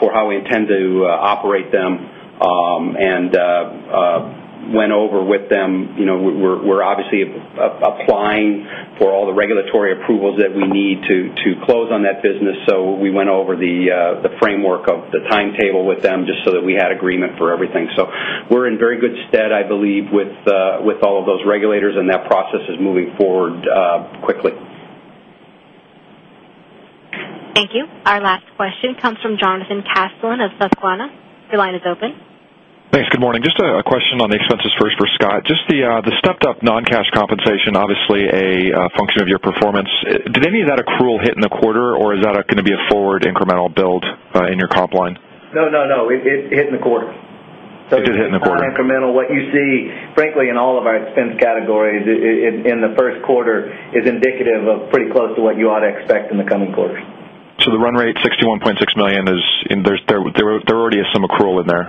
for how we intend to operate them and went over with them. We're obviously applying for all the regulatory approvals that we need to close on that business. We went over the framework of the timetable with them just so that we had agreement for everything. We're in very good stead, I believe, with all of those regulators. That process is moving forward quickly. Thank you. Our last question comes from Jonathan Casteleyn of Susquehanna. Your line is open. Thanks. Good morning. Just a question on the expenses first for Scott. Just the stepped-up non-cash compensation, obviously a function of your performance. Did any of that accrual hit in the quarter, or is that going to be a forward incremental build in your comp line? No, it hit in the quarter. It did hit in the quarter. It's not incremental. What you see, frankly, in all of our expense categories in the first quarter is indicative of pretty close to what you ought to expect in the coming quarters. The run rate, $61.6 million, there already is some accrual in there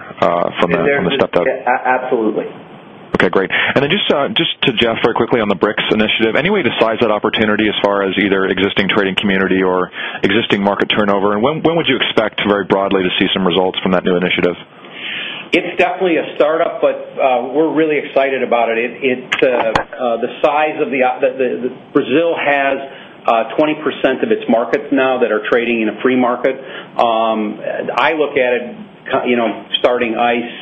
from the stepped-up. Absolutely. Okay, great. Just to Jeff very quickly on the BRICS initiative, any way to size that opportunity as far as either existing trading community or existing market turnover? When would you expect very broadly to see some results from that new initiative? It's definitely a start-up. We're really excited about it. The size of Brazil has 20% of its markets now that are trading in a free market. I look at it, starting ICE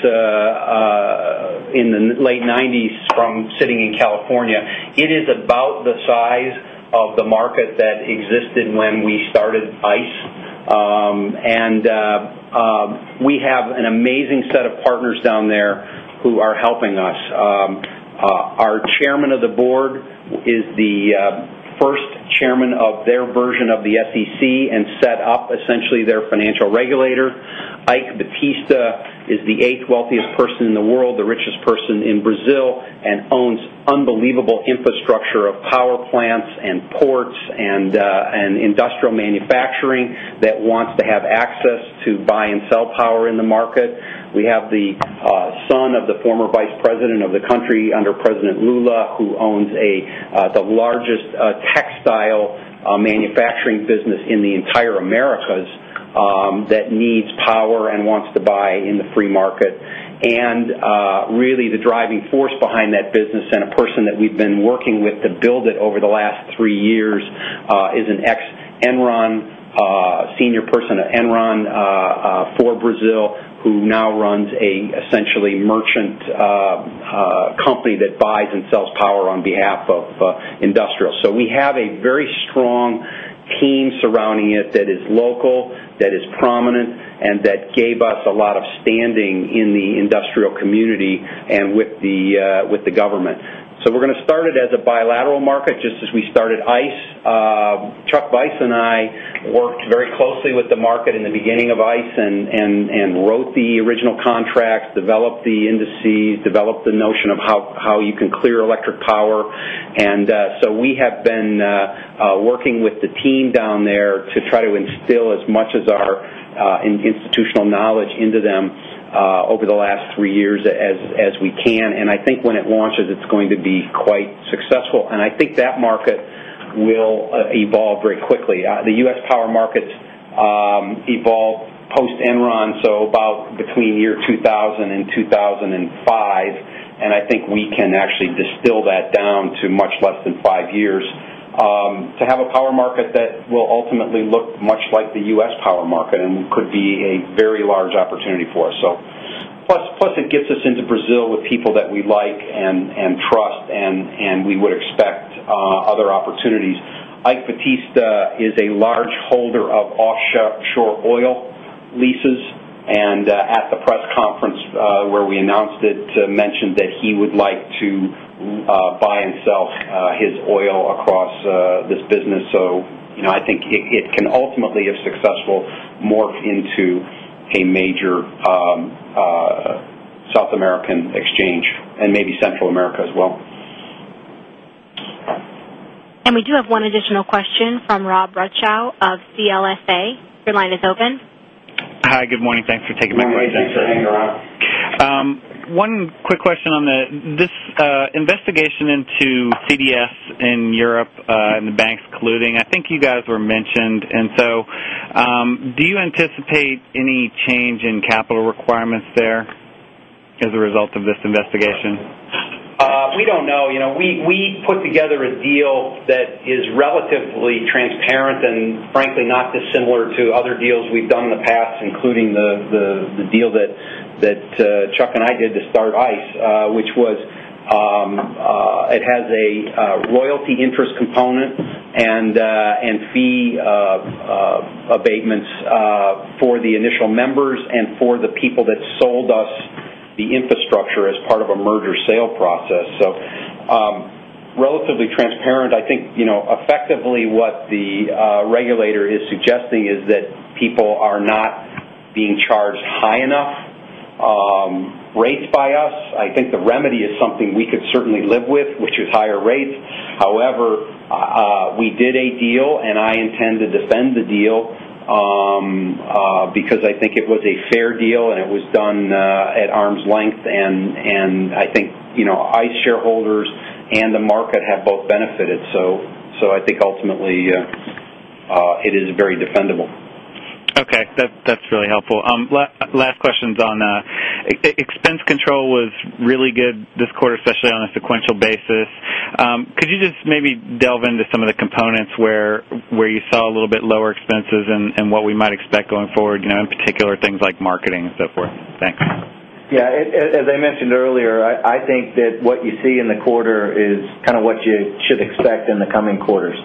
in the late 1990s from sitting in California. It is about the size of the market that existed when we started ICE. We have an amazing set of partners down there who are helping us. Our Chairman of the Board is the first chairman of their version of the SEC and set up essentially their financial regulator. Eike Batista is the eighth wealthiest person in the world, the richest person in Brazil, and owns unbelievable infrastructure of power plants and ports and industrial manufacturing that wants to have access to buy and sell power in the market. We have the son of the former Vice President of the country under President Lula, who owns the largest textile manufacturing business in the entire Americas that needs power and wants to buy in the free market. Really, the driving force behind that business and a person that we've been working with to build it over the last three years is an ex-Enron senior person at Enron for Brazil, who now runs an essentially merchant company that buys and sells power on behalf of industrials. We have a very strong theme surrounding it that is local, that is prominent, and that gave us a lot of standing in the industrial community and with the government. We're going to start it as a bilateral market, just as we started ICE. Chuck Vice and I worked very closely with the market in the beginning of ICE and wrote the original contracts, developed the indices, developed the notion of how you can clear electric power. We have been working with the team down there to try to instill as much of our institutional knowledge into them over the last three years as we can. I think when it launches, it's going to be quite successful. I think that market will evolve very quickly. The U.S. power markets evolved post-Enron, so about between year 2000 and 2005. I think we can actually distill that down to much less than five years to have a power market that will ultimately look much like the U.S. power market and could be a very large opportunity for us. Plus, it gets us into Brazil with people that we like and trust. We would expect other opportunities. Eike Batista is a large holder of offshore oil leases. At the press conference where we announced it, he mentioned that he would like to buy and sell his oil across this business. I think it can ultimately, if successful, morph into a major South American exchange and maybe Central America as well. We do have one additional question from Rob Rutschow of CLSA. Your line is open. Hi. Good morning. Thanks for taking my question. Hi, thanks for hanging on. One quick question on this. This investigation into CDS in Europe and the banks colluding, I think you guys were mentioned. Do you anticipate any change in capital requirements there as a result of this investigation? We don't know. We put together a deal that is relatively transparent and frankly not dissimilar to other deals we've done in the past, including the deal that Chuck and I did to start ICE, which was it has a royalty interest component and fee abatements for the initial members and for the people that sold us the infrastructure as part of a merger sale process. It is relatively transparent. I think effectively what the regulator is suggesting is that people are not being charged high enough rates by us. I think the remedy is something we could certainly live with, which is higher rates. However, we did a deal. I intend to defend the deal because I think it was a fair deal. It was done at arm's length. I think ICE shareholders and the market have both benefited. I think ultimately, it is very defendable. Okay, that's really helpful. Last question's on expense control was really good this quarter, especially on a sequential basis. Could you just maybe delve into some of the components where you saw a little bit lower expenses and what we might expect going forward, in particular things like marketing and so forth? Thanks. Yeah, as I mentioned earlier, I think that what you see in the quarter is kind of what you should expect in the coming quarters.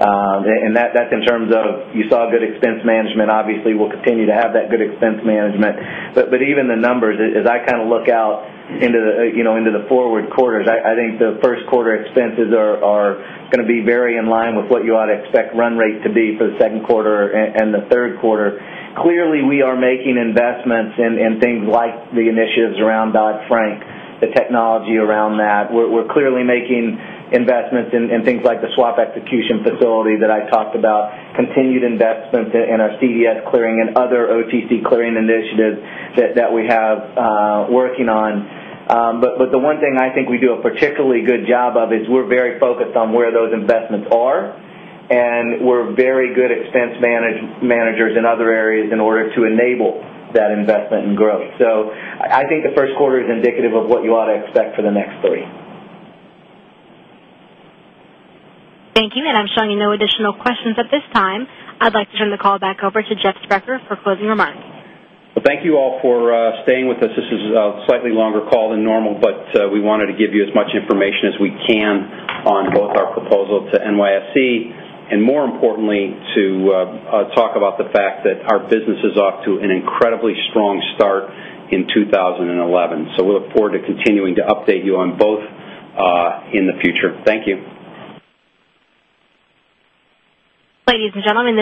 That's in terms of you saw good expense management. Obviously, we'll continue to have that good expense management. Even the numbers, as I kind of look out into the forward quarters, I think the first quarter expenses are going to be very in line with what you ought to expect run rate to be for the second quarter and the third quarter. Clearly, we are making investments in things like the initiatives around Dodd-Frank, the technology around that. We're clearly making investments in things like the Swap Execution Facility that I talked about, continued investment in our CDS clearing and other OTC clearing initiatives that we have working on. The one thing I think we do a particularly good job of is we're very focused on where those investments are. We're very good expense managers in other areas in order to enable that investment and growth. I think the first quarter is indicative of what you ought to expect for the next three. Thank you. I'm showing no additional questions at this time. I'd like to turn the call back over to Jeff Sprecher for closing remarks. Thank you all for staying with us. This is a slightly longer call than normal, but we wanted to give you as much information as we can on both our proposal to NYSE and, more importantly, to talk about the fact that our business is off to an incredibly strong start in 2011. We look forward to continuing to update you on both in the future. Thank you. Ladies and gentlemen.